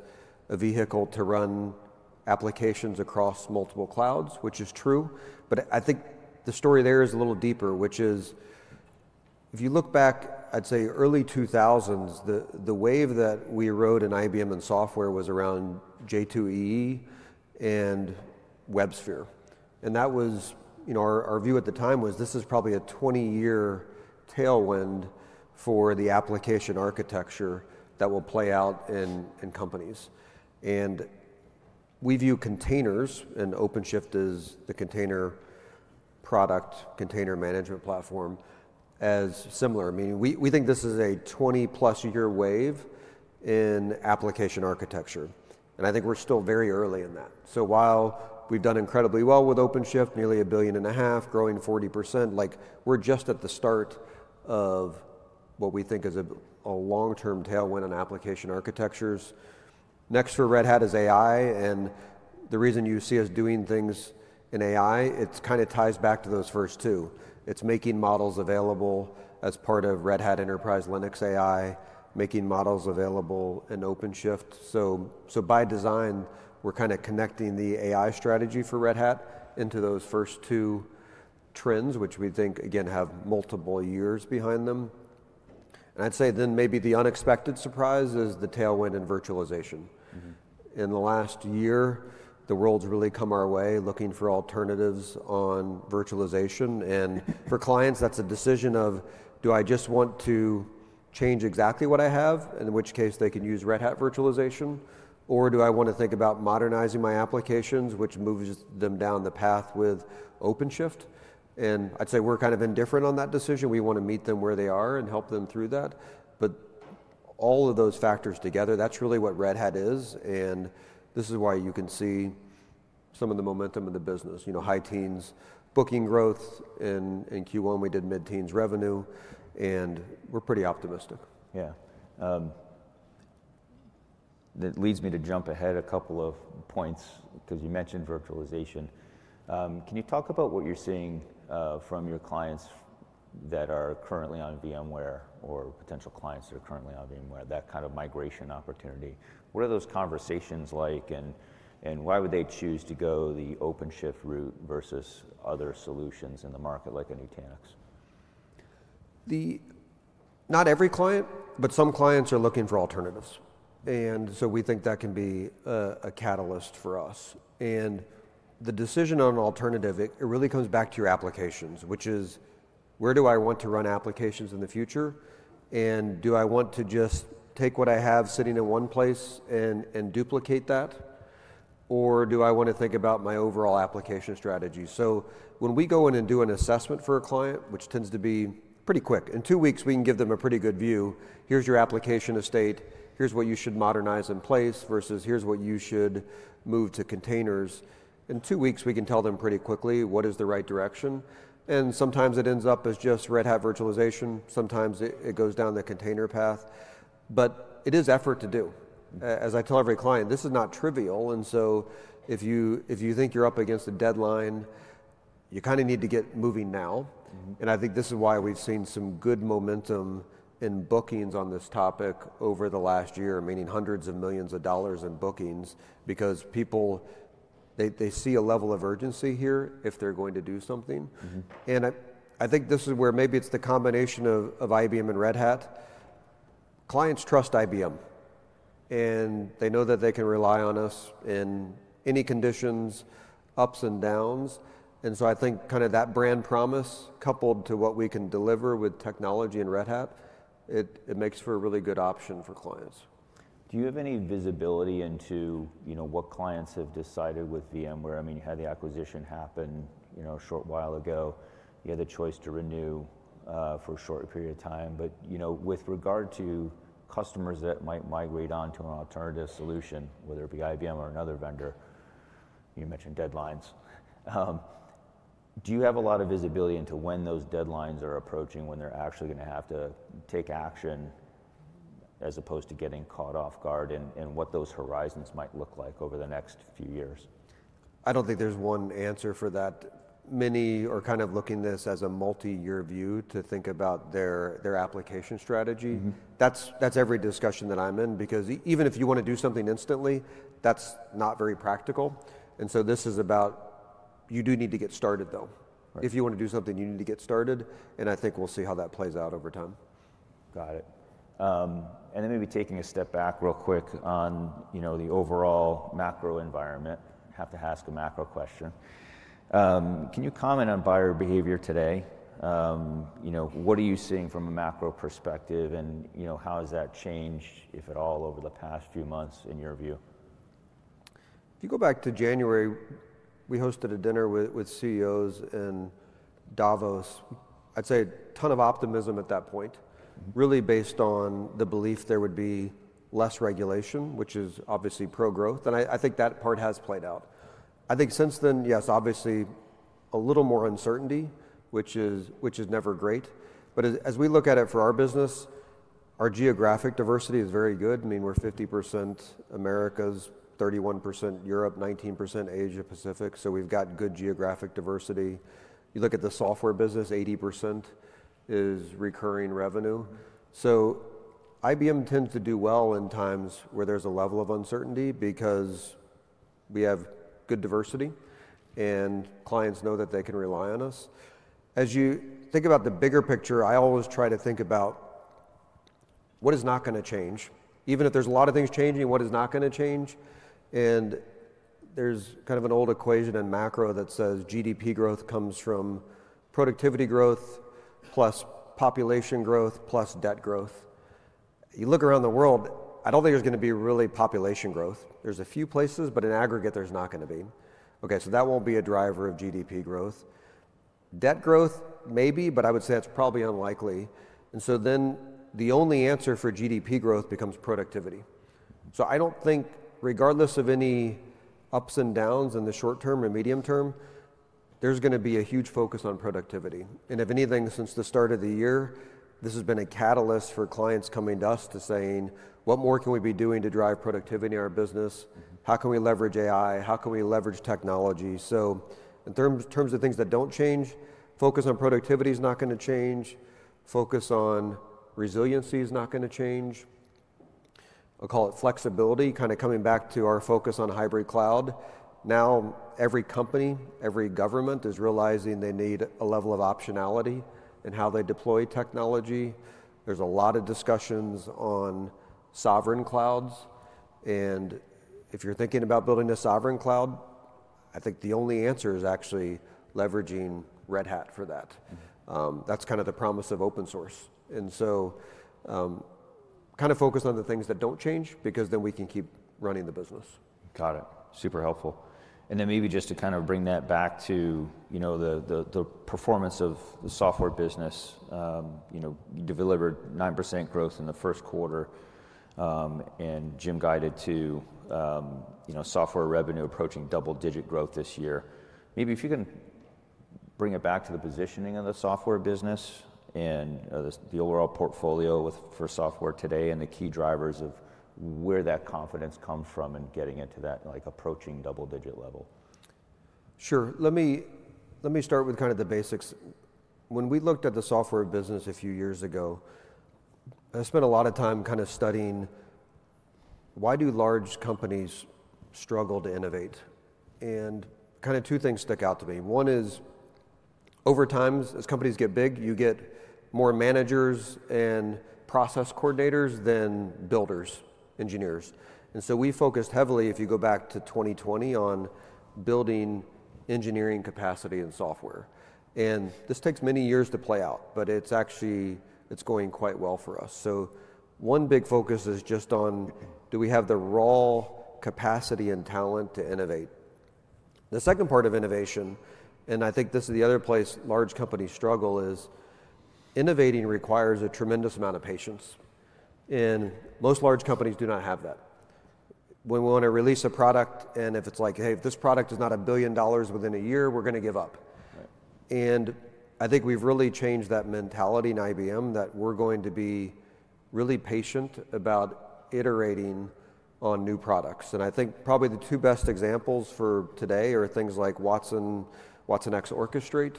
a vehicle to run applications across multiple clouds, which is true. I think the story there is a little deeper, which is if you look back, I'd say early 2000s, the wave that we rode in IBM and software was around J2EE and WebSphere. Our view at the time was this is probably a 20-year tailwind for the application architecture that will play out in companies. We view containers, and OpenShift is the container product, container management platform, as similar. I mean, we think this is a 20-plus-year wave in application architecture. I think we're still very early in that. While we've done incredibly well with OpenShift, nearly $1.5 billion, growing 40%, we're just at the start of what we think is a long-term tailwind in application architectures. Next for Red Hat is AI. The reason you see us doing things in AI, it kind of ties back to those first two. It's making models available as part of Red Hat Enterprise Linux AI, making models available in OpenShift. By design, we're kind of connecting the AI strategy for Red Hat into those first two trends, which we think, again, have multiple years behind them. I'd say then maybe the unexpected surprise is the tailwind in virtualization. In the last year, the world's really come our way looking for alternatives on virtualization. For clients, that's a decision of, do I just want to change exactly what I have, in which case they can use Red Hat virtualization, or do I want to think about modernizing my applications, which moves them down the path with OpenShift? I'd say we're kind of indifferent on that decision. We want to meet them where they are and help them through that. All of those factors together, that's really what Red Hat is. This is why you can see some of the momentum in the business, high teens booking growth. In Q1, we did mid-teens revenue. We are pretty optimistic. Yeah. That leads me to jump ahead a couple of points because you mentioned virtualization. Can you talk about what you're seeing from your clients that are currently on VMware or potential clients that are currently on VMware, that kind of migration opportunity? What are those conversations like? Why would they choose to go the OpenShift route versus other solutions in the market like a Nutanix? Not every client, but some clients are looking for alternatives. We think that can be a catalyst for us. The decision on an alternative really comes back to your applications, which is, where do I want to run applications in the future? Do I want to just take what I have sitting in one place and duplicate that? Or do I want to think about my overall application strategy? When we go in and do an assessment for a client, which tends to be pretty quick, in two weeks, we can give them a pretty good view. Here is your application estate. Here is what you should modernize in place versus here is what you should move to containers. In two weeks, we can tell them pretty quickly what is the right direction. Sometimes it ends up as just Red Hat virtualization. Sometimes it goes down the container path. It is effort to do. As I tell every client, this is not trivial. If you think you're up against a deadline, you kind of need to get moving now. I think this is why we've seen some good momentum in bookings on this topic over the last year, meaning hundreds of millions of dollars in bookings, because people, they see a level of urgency here if they're going to do something. I think this is where maybe it's the combination of IBM and Red Hat. Clients trust IBM. They know that they can rely on us in any conditions, ups and downs. I think kind of that brand promise coupled to what we can deliver with technology and Red Hat, it makes for a really good option for clients. Do you have any visibility into what clients have decided with VMware? I mean, you had the acquisition happen a short while ago. You had the choice to renew for a short period of time. With regard to customers that might migrate onto an alternative solution, whether it be IBM or another vendor, you mentioned deadlines. Do you have a lot of visibility into when those deadlines are approaching, when they're actually going to have to take action as opposed to getting caught off guard and what those horizons might look like over the next few years? I don't think there's one answer for that. Many are kind of looking at this as a multi-year view to think about their application strategy. That's every discussion that I'm in. Because even if you want to do something instantly, that's not very practical. This is about you do need to get started, though. If you want to do something, you need to get started. I think we'll see how that plays out over time. Got it. Maybe taking a step back real quick on the overall macro environment, have to ask a macro question. Can you comment on buyer behavior today? What are you seeing from a macro perspective? How has that changed, if at all, over the past few months in your view? If you go back to January, we hosted a dinner with CEOs in Davos. I'd say a ton of optimism at that point, really based on the belief there would be less regulation, which is obviously pro-growth. I think that part has played out. I think since then, yes, obviously a little more uncertainty, which is never great. As we look at it for our business, our geographic diversity is very good. I mean, we're 50% Americas, 31% Europe, 19% Asia-Pacific. We've got good geographic diversity. You look at the software business, 80% is recurring revenue. IBM tends to do well in times where there's a level of uncertainty because we have good diversity. Clients know that they can rely on us. As you think about the bigger picture, I always try to think about what is not going to change. Even if there's a lot of things changing, what is not going to change? There is kind of an old equation in macro that says GDP growth comes from productivity growth plus population growth plus debt growth. You look around the world, I do not think there is going to be really population growth. There are a few places. In aggregate, there is not going to be. OK, so that will not be a driver of GDP growth. Debt growth, maybe. I would say that is probably unlikely. The only answer for GDP growth becomes productivity. I do not think regardless of any ups and downs in the short term or medium term, there is going to be a huge focus on productivity. If anything, since the start of the year, this has been a catalyst for clients coming to us saying, what more can we be doing to drive productivity in our business? How can we leverage AI? How can we leverage technology? In terms of things that do not change, focus on productivity is not going to change. Focus on resiliency is not going to change. I will call it flexibility, kind of coming back to our focus on hybrid cloud. Now, every company, every government is realizing they need a level of optionality in how they deploy technology. There are a lot of discussions on sovereign clouds. If you are thinking about building a sovereign cloud, I think the only answer is actually leveraging Red Hat for that. That is kind of the promise of open source. Kind of focus on the things that do not change because then we can keep running the business. Got it. Super helpful. Maybe just to kind of bring that back to the performance of the software business, you delivered 9% growth in the first quarter and Jim guided to software revenue approaching double-digit growth this year. Maybe if you can bring it back to the positioning of the software business and the overall portfolio for software today and the key drivers of where that confidence comes from in getting into that approaching double-digit level. Sure. Let me start with kind of the basics. When we looked at the software business a few years ago, I spent a lot of time kind of studying why do large companies struggle to innovate. Kind of two things stick out to me. One is over time, as companies get big, you get more managers and process coordinators than builders, engineers. We focused heavily, if you go back to 2020, on building engineering capacity and software. This takes many years to play out. It is actually going quite well for us. One big focus is just on do we have the raw capacity and talent to innovate. The second part of innovation, and I think this is the other place large companies struggle, is innovating requires a tremendous amount of patience. Most large companies do not have that. When we want to release a product, and if it's like, hey, if this product is not a billion dollars within a year, we're going to give up. I think we've really changed that mentality in IBM that we're going to be really patient about iterating on new products. I think probably the two best examples for today are things like watsonx Orchestrate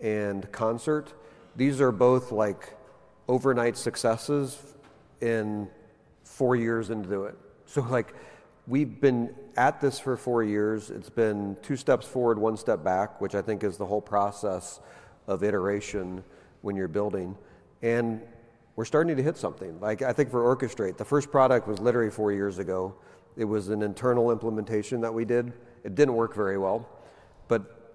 and Concert. These are both overnight successes in four years into it. We've been at this for four years. It's been two steps forward, one step back, which I think is the whole process of iteration when you're building. We're starting to hit something. I think for Orchestrate, the first product was literally four years ago. It was an internal implementation that we did. It didn't work very well.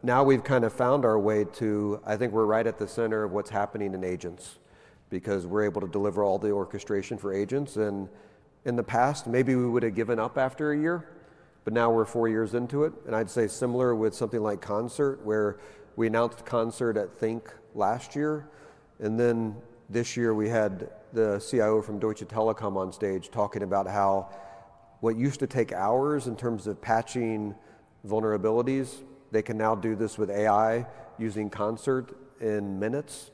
Now we've kind of found our way to, I think we're right at the center of what's happening in agents because we're able to deliver all the orchestration for agents. In the past, maybe we would have given up after a year. Now we're four years into it. I'd say similar with something like Concert, where we announced Concert at Think last year. This year, we had the CIO from Deutsche Telekom on stage talking about how what used to take hours in terms of patching vulnerabilities, they can now do this with AI using Concert in minutes.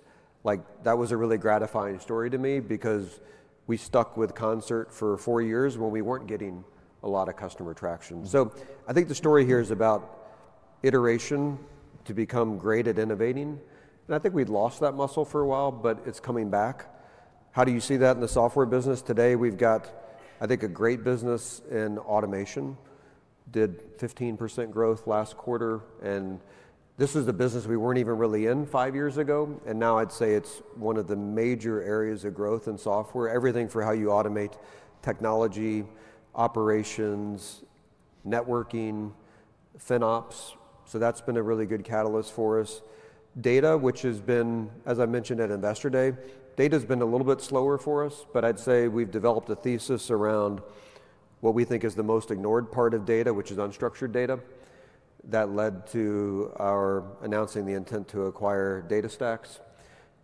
That was a really gratifying story to me because we stuck with Concert for four years when we weren't getting a lot of customer traction. I think the story here is about iteration to become great at innovating. I think we've lost that muscle for a while, but it's coming back. How do you see that in the software business? Today, we've got, I think, a great business in automation. Did 15% growth last quarter. This is a business we weren't even really in five years ago. Now I'd say it's one of the major areas of growth in software, everything for how you automate technology, operations, networking, FinOps. That's been a really good catalyst for us. Data, which has been, as I mentioned at Investor Day, data has been a little bit slower for us. I'd say we've developed a thesis around what we think is the most ignored part of data, which is unstructured data. That led to our announcing the intent to acquire DataStax.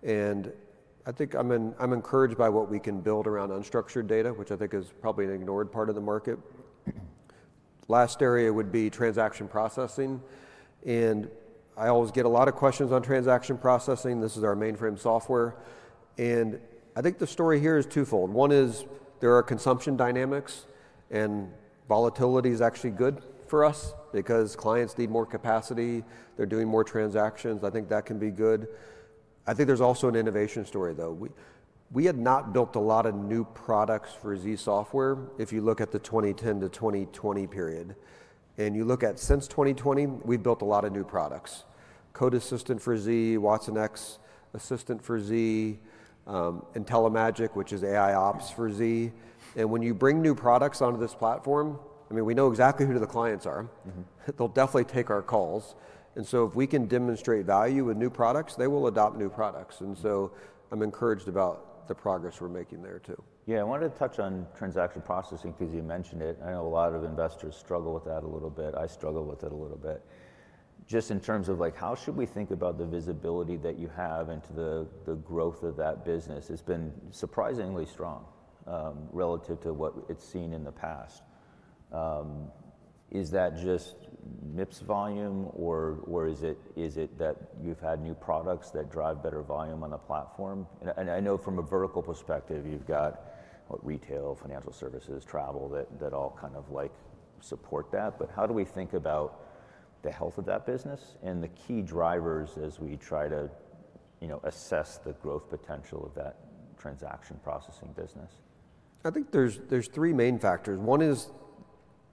I think I'm encouraged by what we can build around unstructured data, which I think is probably an ignored part of the market. The last area would be transaction processing. I always get a lot of questions on transaction processing. This is our mainframe software. I think the story here is twofold. One is there are consumption dynamics. Volatility is actually good for us because clients need more capacity. They're doing more transactions. I think that can be good. I think there's also an innovation story, though. We had not built a lot of new products for Z software if you look at the 2010-2020 period. If you look at since 2020, we've built a lot of new products: Code Assistant for Z, watsonx Assistant for Z, IntelliMagic, which is AIOps for Z. When you bring new products onto this platform, I mean, we know exactly who the clients are. They'll definitely take our calls. If we can demonstrate value with new products, they will adopt new products. I'm encouraged about the progress we're making there, too. Yeah, I wanted to touch on transaction processing because you mentioned it. I know a lot of investors struggle with that a little bit. I struggle with it a little bit. Just in terms of how should we think about the visibility that you have into the growth of that business? It's been surprisingly strong relative to what it's seen in the past. Is that just MIPS volume? Or is it that you've had new products that drive better volume on the platform? I know from a vertical perspective, you've got retail, financial services, travel that all kind of support that. How do we think about the health of that business and the key drivers as we try to assess the growth potential of that transaction processing business? I think there's three main factors. One is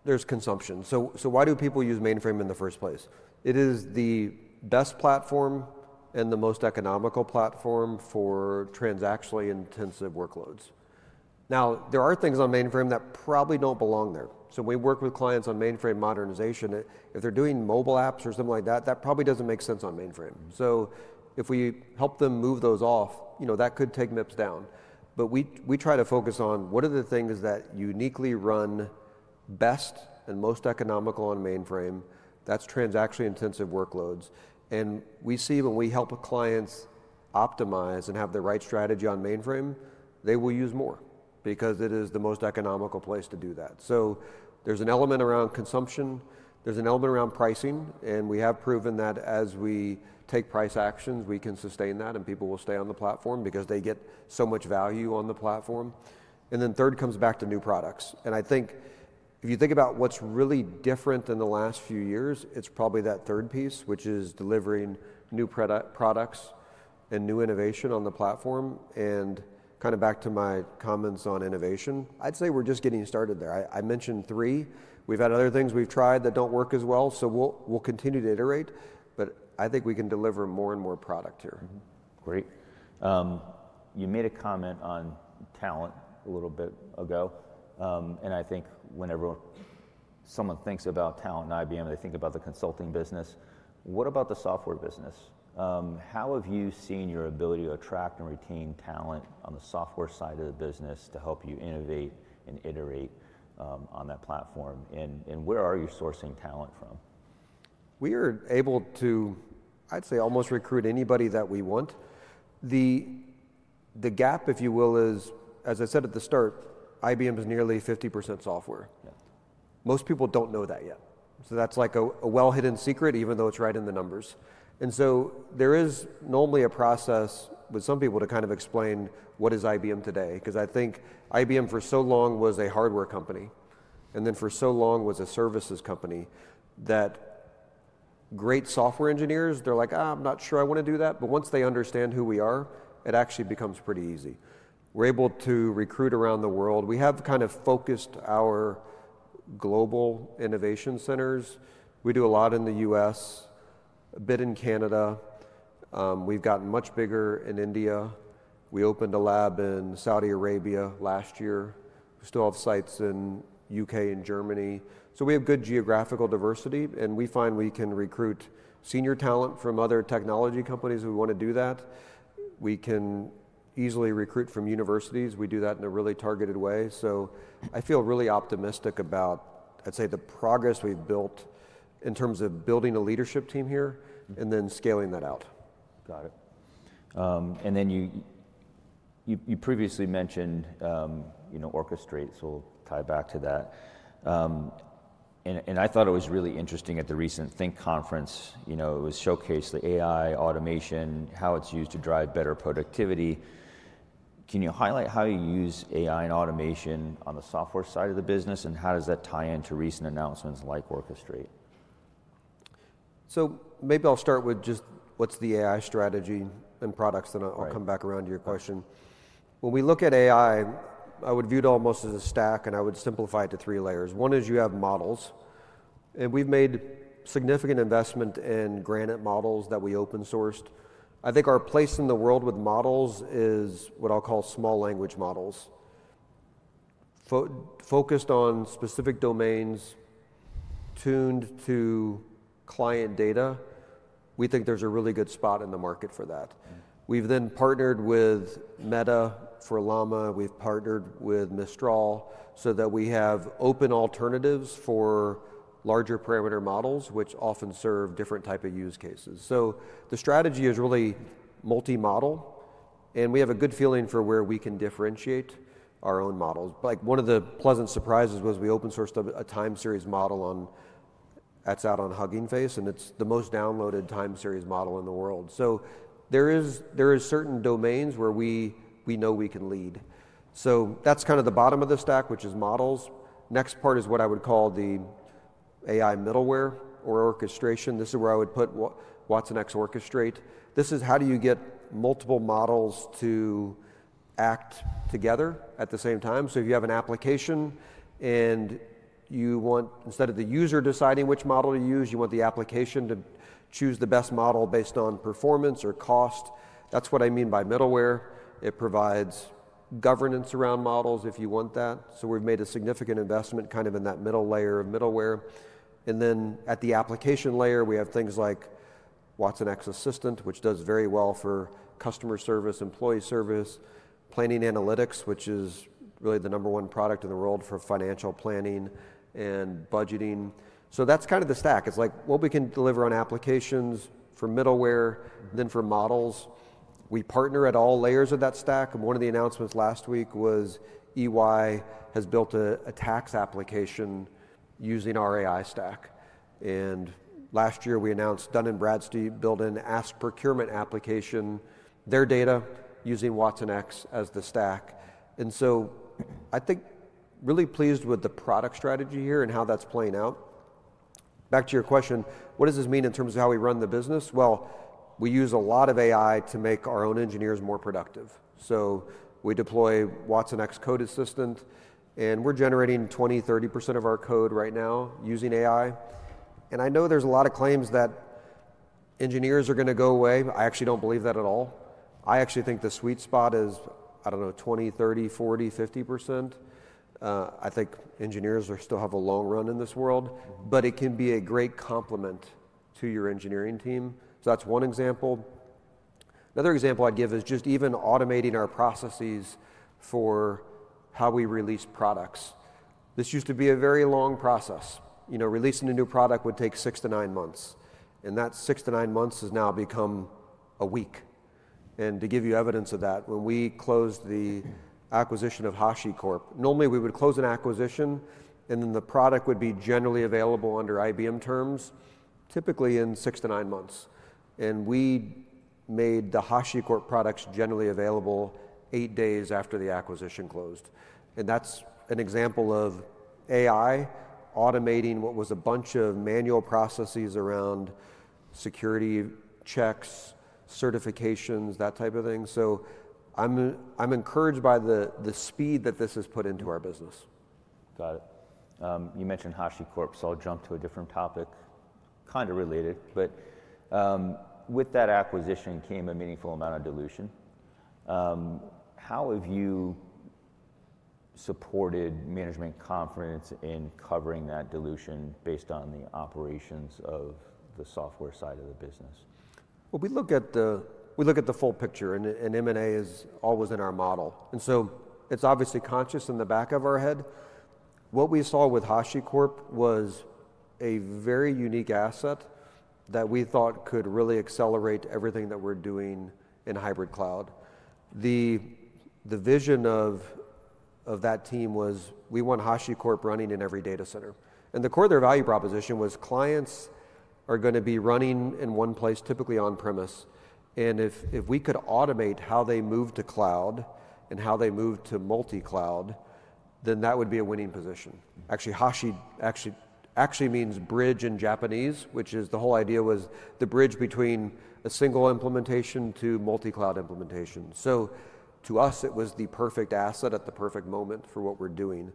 there's consumption. Why do people use mainframe in the first place? It is the best platform and the most economical platform for transactionally intensive workloads. Now, there are things on mainframe that probably don't belong there. We work with clients on mainframe modernization. If they're doing mobile apps or something like that, that probably doesn't make sense on mainframe. If we help them move those off, that could take MIPS down. We try to focus on what are the things that uniquely run best and most economical on mainframe. That's transactionally intensive workloads. We see when we help clients optimize and have the right strategy on mainframe, they will use more because it is the most economical place to do that. There's an element around consumption. There's an element around pricing. We have proven that as we take price actions, we can sustain that. People will stay on the platform because they get so much value on the platform. Third comes back to new products. I think if you think about what's really different in the last few years, it's probably that third piece, which is delivering new products and new innovation on the platform. Kind of back to my comments on innovation, I'd say we're just getting started there. I mentioned three. We've had other things we've tried that do not work as well. We will continue to iterate. I think we can deliver more and more product here. Great. You made a comment on talent a little bit ago. I think whenever someone thinks about talent in IBM, they think about the consulting business. What about the software business? How have you seen your ability to attract and retain talent on the software side of the business to help you innovate and iterate on that platform? Where are you sourcing talent from? We are able to, I'd say, almost recruit anybody that we want. The gap, if you will, is, as I said at the start, IBM is nearly 50% software. Most people don't know that yet. That's like a well-hidden secret, even though it's right in the numbers. There is normally a process with some people to kind of explain what is IBM today because I think IBM for so long was a hardware company and then for so long was a services company that great software engineers, they're like, I'm not sure I want to do that. Once they understand who we are, it actually becomes pretty easy. We're able to recruit around the world. We have kind of focused our global innovation centers. We do a lot in the U.S., a bit in Canada. We've gotten much bigger in India. We opened a lab in Saudi Arabia last year. We still have sites in the U.K. and Germany. We have good geographical diversity. We find we can recruit senior talent from other technology companies who want to do that. We can easily recruit from universities. We do that in a really targeted way. I feel really optimistic about, I'd say, the progress we've built in terms of building a leadership team here and then scaling that out. Got it. You previously mentioned Orchestrate. We'll tie back to that. I thought it was really interesting at the recent Think Conference. It was showcased, the AI automation, how it's used to drive better productivity. Can you highlight how you use AI and automation on the software side of the business? How does that tie into recent announcements like Orchestrate? Maybe I'll start with just what's the AI strategy and products, then I'll come back around to your question. When we look at AI, I would view it almost as a stack. I would simplify it to three layers. One is you have models. We've made significant investment in Granite models that we open sourced. I think our place in the world with models is what I'll call small language models. Focused on specific domains, tuned to client data, we think there's a really good spot in the market for that. We've then partnered with Meta for Llama. We've partnered with Mistral so that we have open alternatives for larger parameter models, which often serve different types of use cases. The strategy is really multi-model. We have a good feeling for where we can differentiate our own models. One of the pleasant surprises was we open sourced a time series model that's out on Hugging Face. And it's the most downloaded time series model in the world. There are certain domains where we know we can lead. That's kind of the bottom of the stack, which is models. The next part is what I would call the AI middleware or orchestration. This is where I would put watsonx Orchestrate. This is how you get multiple models to act together at the same time. If you have an application and you want, instead of the user deciding which model to use, you want the application to choose the best model based on performance or cost. That's what I mean by middleware. It provides governance around models if you want that. We've made a significant investment kind of in that middle layer of middleware. At the application layer, we have things like watsonx Assistant, which does very well for customer service, employee service, planning analytics, which is really the number one product in the world for financial planning and budgeting. That is kind of the stack. It is what we can deliver on applications for middleware, then for models. We partner at all layers of that stack. One of the announcements last week was EY has built a tax application using our AI stack. Last year, we announced Dun & Bradstreet built an asset procurement application, their data using watsonx as the stack. I think really pleased with the product strategy here and how that is playing out. Back to your question, what does this mean in terms of how we run the business? We use a lot of AI to make our own engineers more productive. We deploy watsonx Code Assistant. We are generating 20%-30% of our code right now using AI. I know there are a lot of claims that engineers are going to go away. I actually do not believe that at all. I actually think the sweet spot is, I do not know, 20%-30%-40%-50%. I think engineers still have a long run in this world. It can be a great complement to your engineering team. That is one example. Another example I would give is just even automating our processes for how we release products. This used to be a very long process. Releasing a new product would take six to nine months. That six to nine months has now become a week. To give you evidence of that, when we closed the acquisition of HashiCorp, normally we would close an acquisition. Then the product would be generally available under IBM terms, typically in six to nine months. We made the HashiCorp products generally available eight days after the acquisition closed. That is an example of AI automating what was a bunch of manual processes around security checks, certifications, that type of thing. I am encouraged by the speed that this has put into our business. Got it. You mentioned HashiCorp, so I'll jump to a different topic, kind of related. With that acquisition came a meaningful amount of dilution. How have you supported management conference in covering that dilution based on the operations of the software side of the business? We look at the full picture. M&A is always in our model, so it is obviously conscious in the back of our head. What we saw with HashiCorp was a very unique asset that we thought could really accelerate everything that we are doing in hybrid cloud. The vision of that team was we want HashiCorp running in every data center. The core of their value proposition was clients are going to be running in one place, typically on-premise. If we could automate how they move to cloud and how they move to multi-cloud, that would be a winning position. Actually, Hashi actually means bridge in Japanese, which is the whole idea, the bridge between a single implementation to multi-cloud implementation. To us, it was the perfect asset at the perfect moment for what we are doing.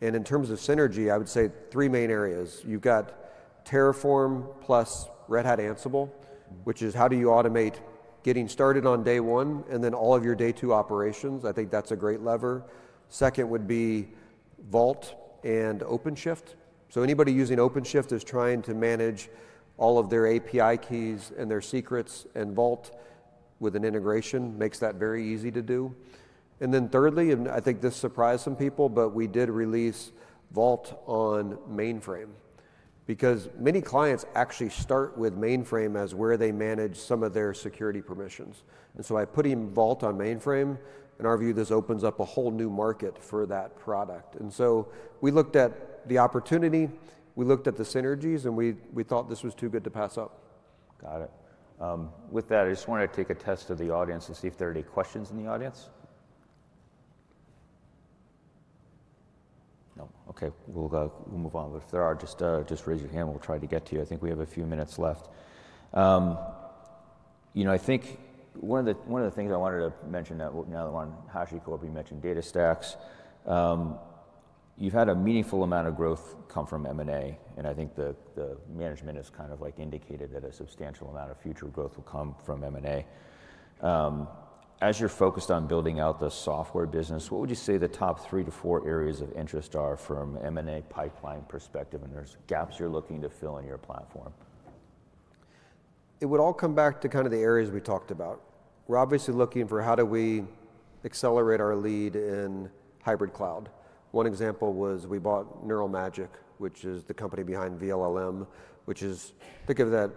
In terms of synergy, I would say three main areas. You've got Terraform plus Red Hat Ansible, which is how do you automate getting started on day one and then all of your day two operations. I think that's a great lever. Second would be Vault and OpenShift. Anybody using OpenShift is trying to manage all of their API keys and their secrets. Vault with an integration makes that very easy to do. Thirdly, and I think this surprised some people, but we did release Vault on mainframe because many clients actually start with mainframe as where they manage some of their security permissions. I put in Vault on mainframe. In our view, this opens up a whole new market for that product. We looked at the opportunity. We looked at the synergies. We thought this was too good to pass up. Got it. With that, I just want to take a test of the audience and see if there are any questions in the audience. No. OK. We'll move on. If there are, just raise your hand. We'll try to get to you. I think we have a few minutes left. I think one of the things I wanted to mention now that we're on HashiCorp, you mentioned DataStax. You've had a meaningful amount of growth come from M&A. I think the management has kind of indicated that a substantial amount of future growth will come from M&A. As you're focused on building out the software business, what would you say the top three to four areas of interest are from an M&A pipeline perspective? Are there gaps you're looking to fill in your platform? It would all come back to kind of the areas we talked about. We're obviously looking for how do we accelerate our lead in hybrid cloud. One example was we bought Neural Magic, which is the company behind VLLM, which is, think of that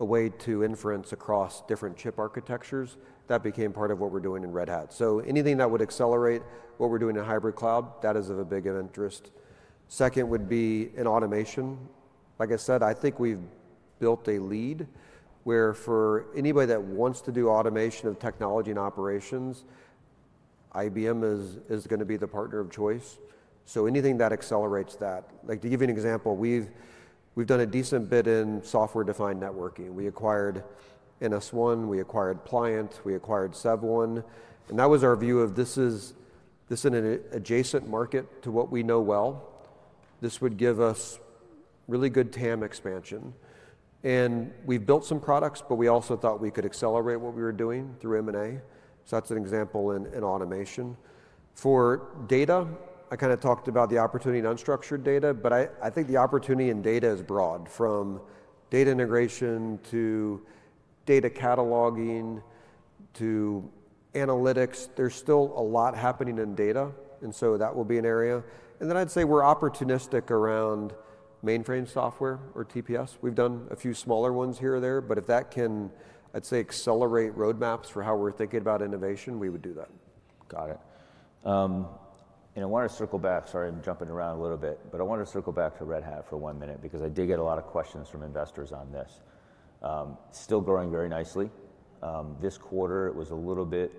a way to inference across different chip architectures. That became part of what we're doing in Red Hat. Anything that would accelerate what we're doing in hybrid cloud, that is of a big interest. Second would be in automation. Like I said, I think we've built a lead where for anybody that wants to do automation of technology and operations, IBM is going to be the partner of choice. Anything that accelerates that. To give you an example, we've done a decent bit in software-defined networking. We acquired NS1. We acquired Pliant. We acquired SevOne. That was our view of this is an adjacent market to what we know well. This would give us really good TAM expansion. We have built some products. We also thought we could accelerate what we were doing through M&A. That is an example in automation. For data, I kind of talked about the opportunity in unstructured data. I think the opportunity in data is broad, from data integration to data cataloging to analytics. There is still a lot happening in data. That will be an area. I would say we are opportunistic around mainframe software or TPS. We have done a few smaller ones here or there. If that can, I would say, accelerate roadmaps for how we are thinking about innovation, we would do that. Got it. I want to circle back. Sorry, I'm jumping around a little bit. I want to circle back to Red Hat for one minute because I did get a lot of questions from investors on this. Still growing very nicely. This quarter, it was a little bit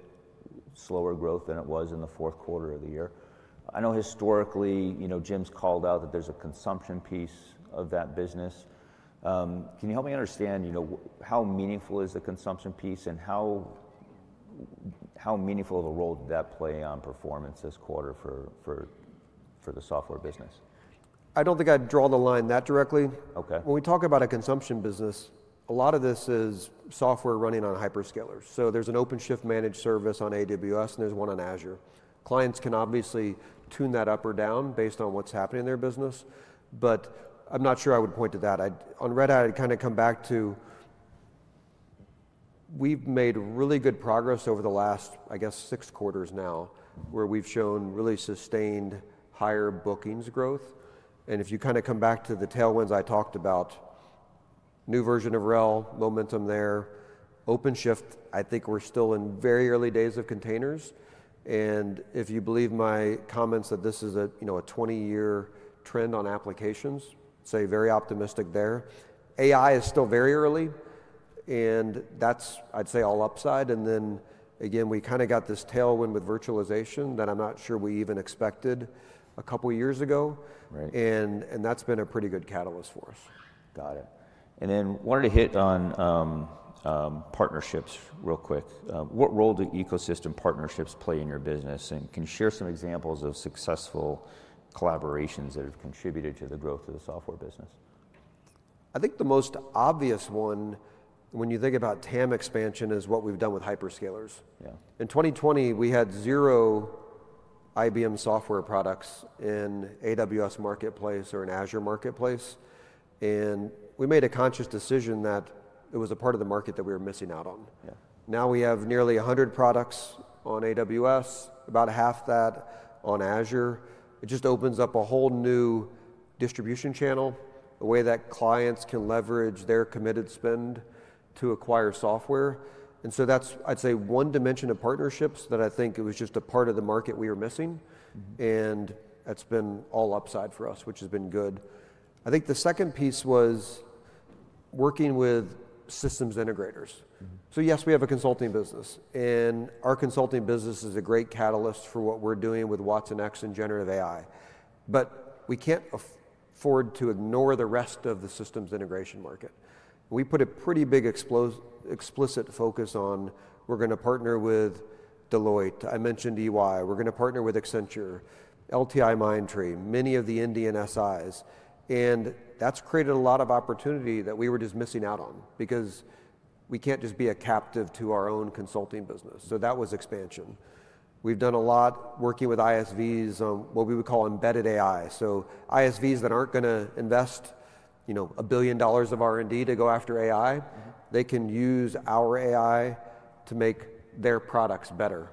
slower growth than it was in the fourth quarter of the year. I know historically, Jim's called out that there's a consumption piece of that business. Can you help me understand how meaningful is the consumption piece? How meaningful of a role did that play on performance this quarter for the software business? I don't think I'd draw the line that directly. When we talk about a consumption business, a lot of this is software running on hyperscalers. There is an OpenShift managed service on AWS. There is one on Azure. Clients can obviously tune that up or down based on what's happening in their business. I'm not sure I would point to that. On Red Hat, I'd kind of come back to we've made really good progress over the last, I guess, six quarters now where we've shown really sustained higher bookings growth. If you kind of come back to the tailwinds I talked about, new version of RHEL, momentum there. OpenShift, I think we're still in very early days of containers. If you believe my comments that this is a 20-year trend on applications, I'd say very optimistic there. AI is still very early. That's, I'd say, all upside. Then again, we kind of got this tailwind with virtualization that I'm not sure we even expected a couple of years ago. That's been a pretty good catalyst for us. Got it. I wanted to hit on partnerships real quick. What role do ecosystem partnerships play in your business? Can you share some examples of successful collaborations that have contributed to the growth of the software business? I think the most obvious one when you think about TAM expansion is what we've done with hyperscalers. In 2020, we had zero IBM software products in AWS Marketplace or in Azure Marketplace. We made a conscious decision that it was a part of the market that we were missing out on. Now we have nearly 100 products on AWS, about half that on Azure. It just opens up a whole new distribution channel, a way that clients can leverage their committed spend to acquire software. That is, I'd say, one dimension of partnerships that I think it was just a part of the market we were missing. That has been all upside for us, which has been good. I think the second piece was working with systems integrators. Yes, we have a consulting business. Our consulting business is a great catalyst for what we're doing with watsonx and generative AI. We can't afford to ignore the rest of the systems integration market. We put a pretty big explicit focus on we're going to partner with Deloitte. I mentioned EY. We're going to partner with Accenture, LTI Mindtree, many of the Indian SIs. That has created a lot of opportunity that we were just missing out on because we can't just be a captive to our own consulting business. That was expansion. We've done a lot working with ISVs on what we would call embedded AI. ISVs that aren't going to invest a billion dollars of R&D to go after AI can use our AI to make their products better.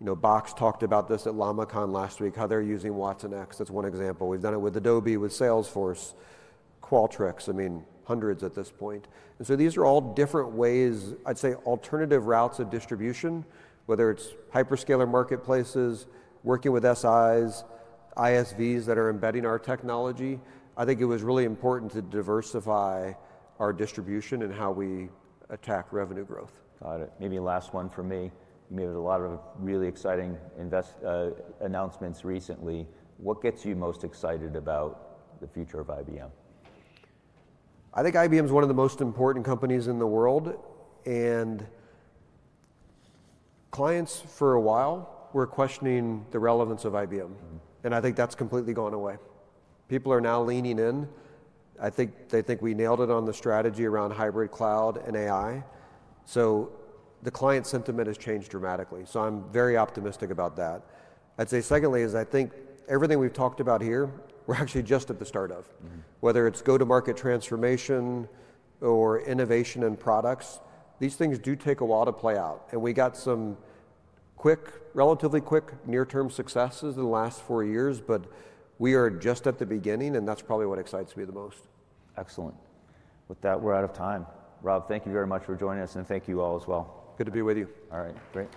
Box talked about this at LlamaCon last week, how they're using watsonx. That's one example. We've done it with Adobe, with Salesforce, Qualtrics. I mean, hundreds at this point. These are all different ways, I'd say, alternative routes of distribution, whether it's hyperscaler marketplaces, working with SIs, ISVs that are embedding our technology. I think it was really important to diversify our distribution and how we attack revenue growth. Got it. Maybe last one for me. You made a lot of really exciting announcements recently. What gets you most excited about the future of IBM? I think IBM is one of the most important companies in the world. Clients for a while were questioning the relevance of IBM. I think that's completely gone away. People are now leaning in. I think they think we nailed it on the strategy around hybrid cloud and AI. The client sentiment has changed dramatically. I am very optimistic about that. I'd say secondly is I think everything we've talked about here, we're actually just at the start of. Whether it's go-to-market transformation or innovation and products, these things do take a lot to play out. We got some quick, relatively quick, near-term successes in the last four years. We are just at the beginning. That's probably what excites me the most. Excellent. With that, we're out of time. Rob, thank you very much for joining us. Thank you all as well. Good to be with you. All right. Great.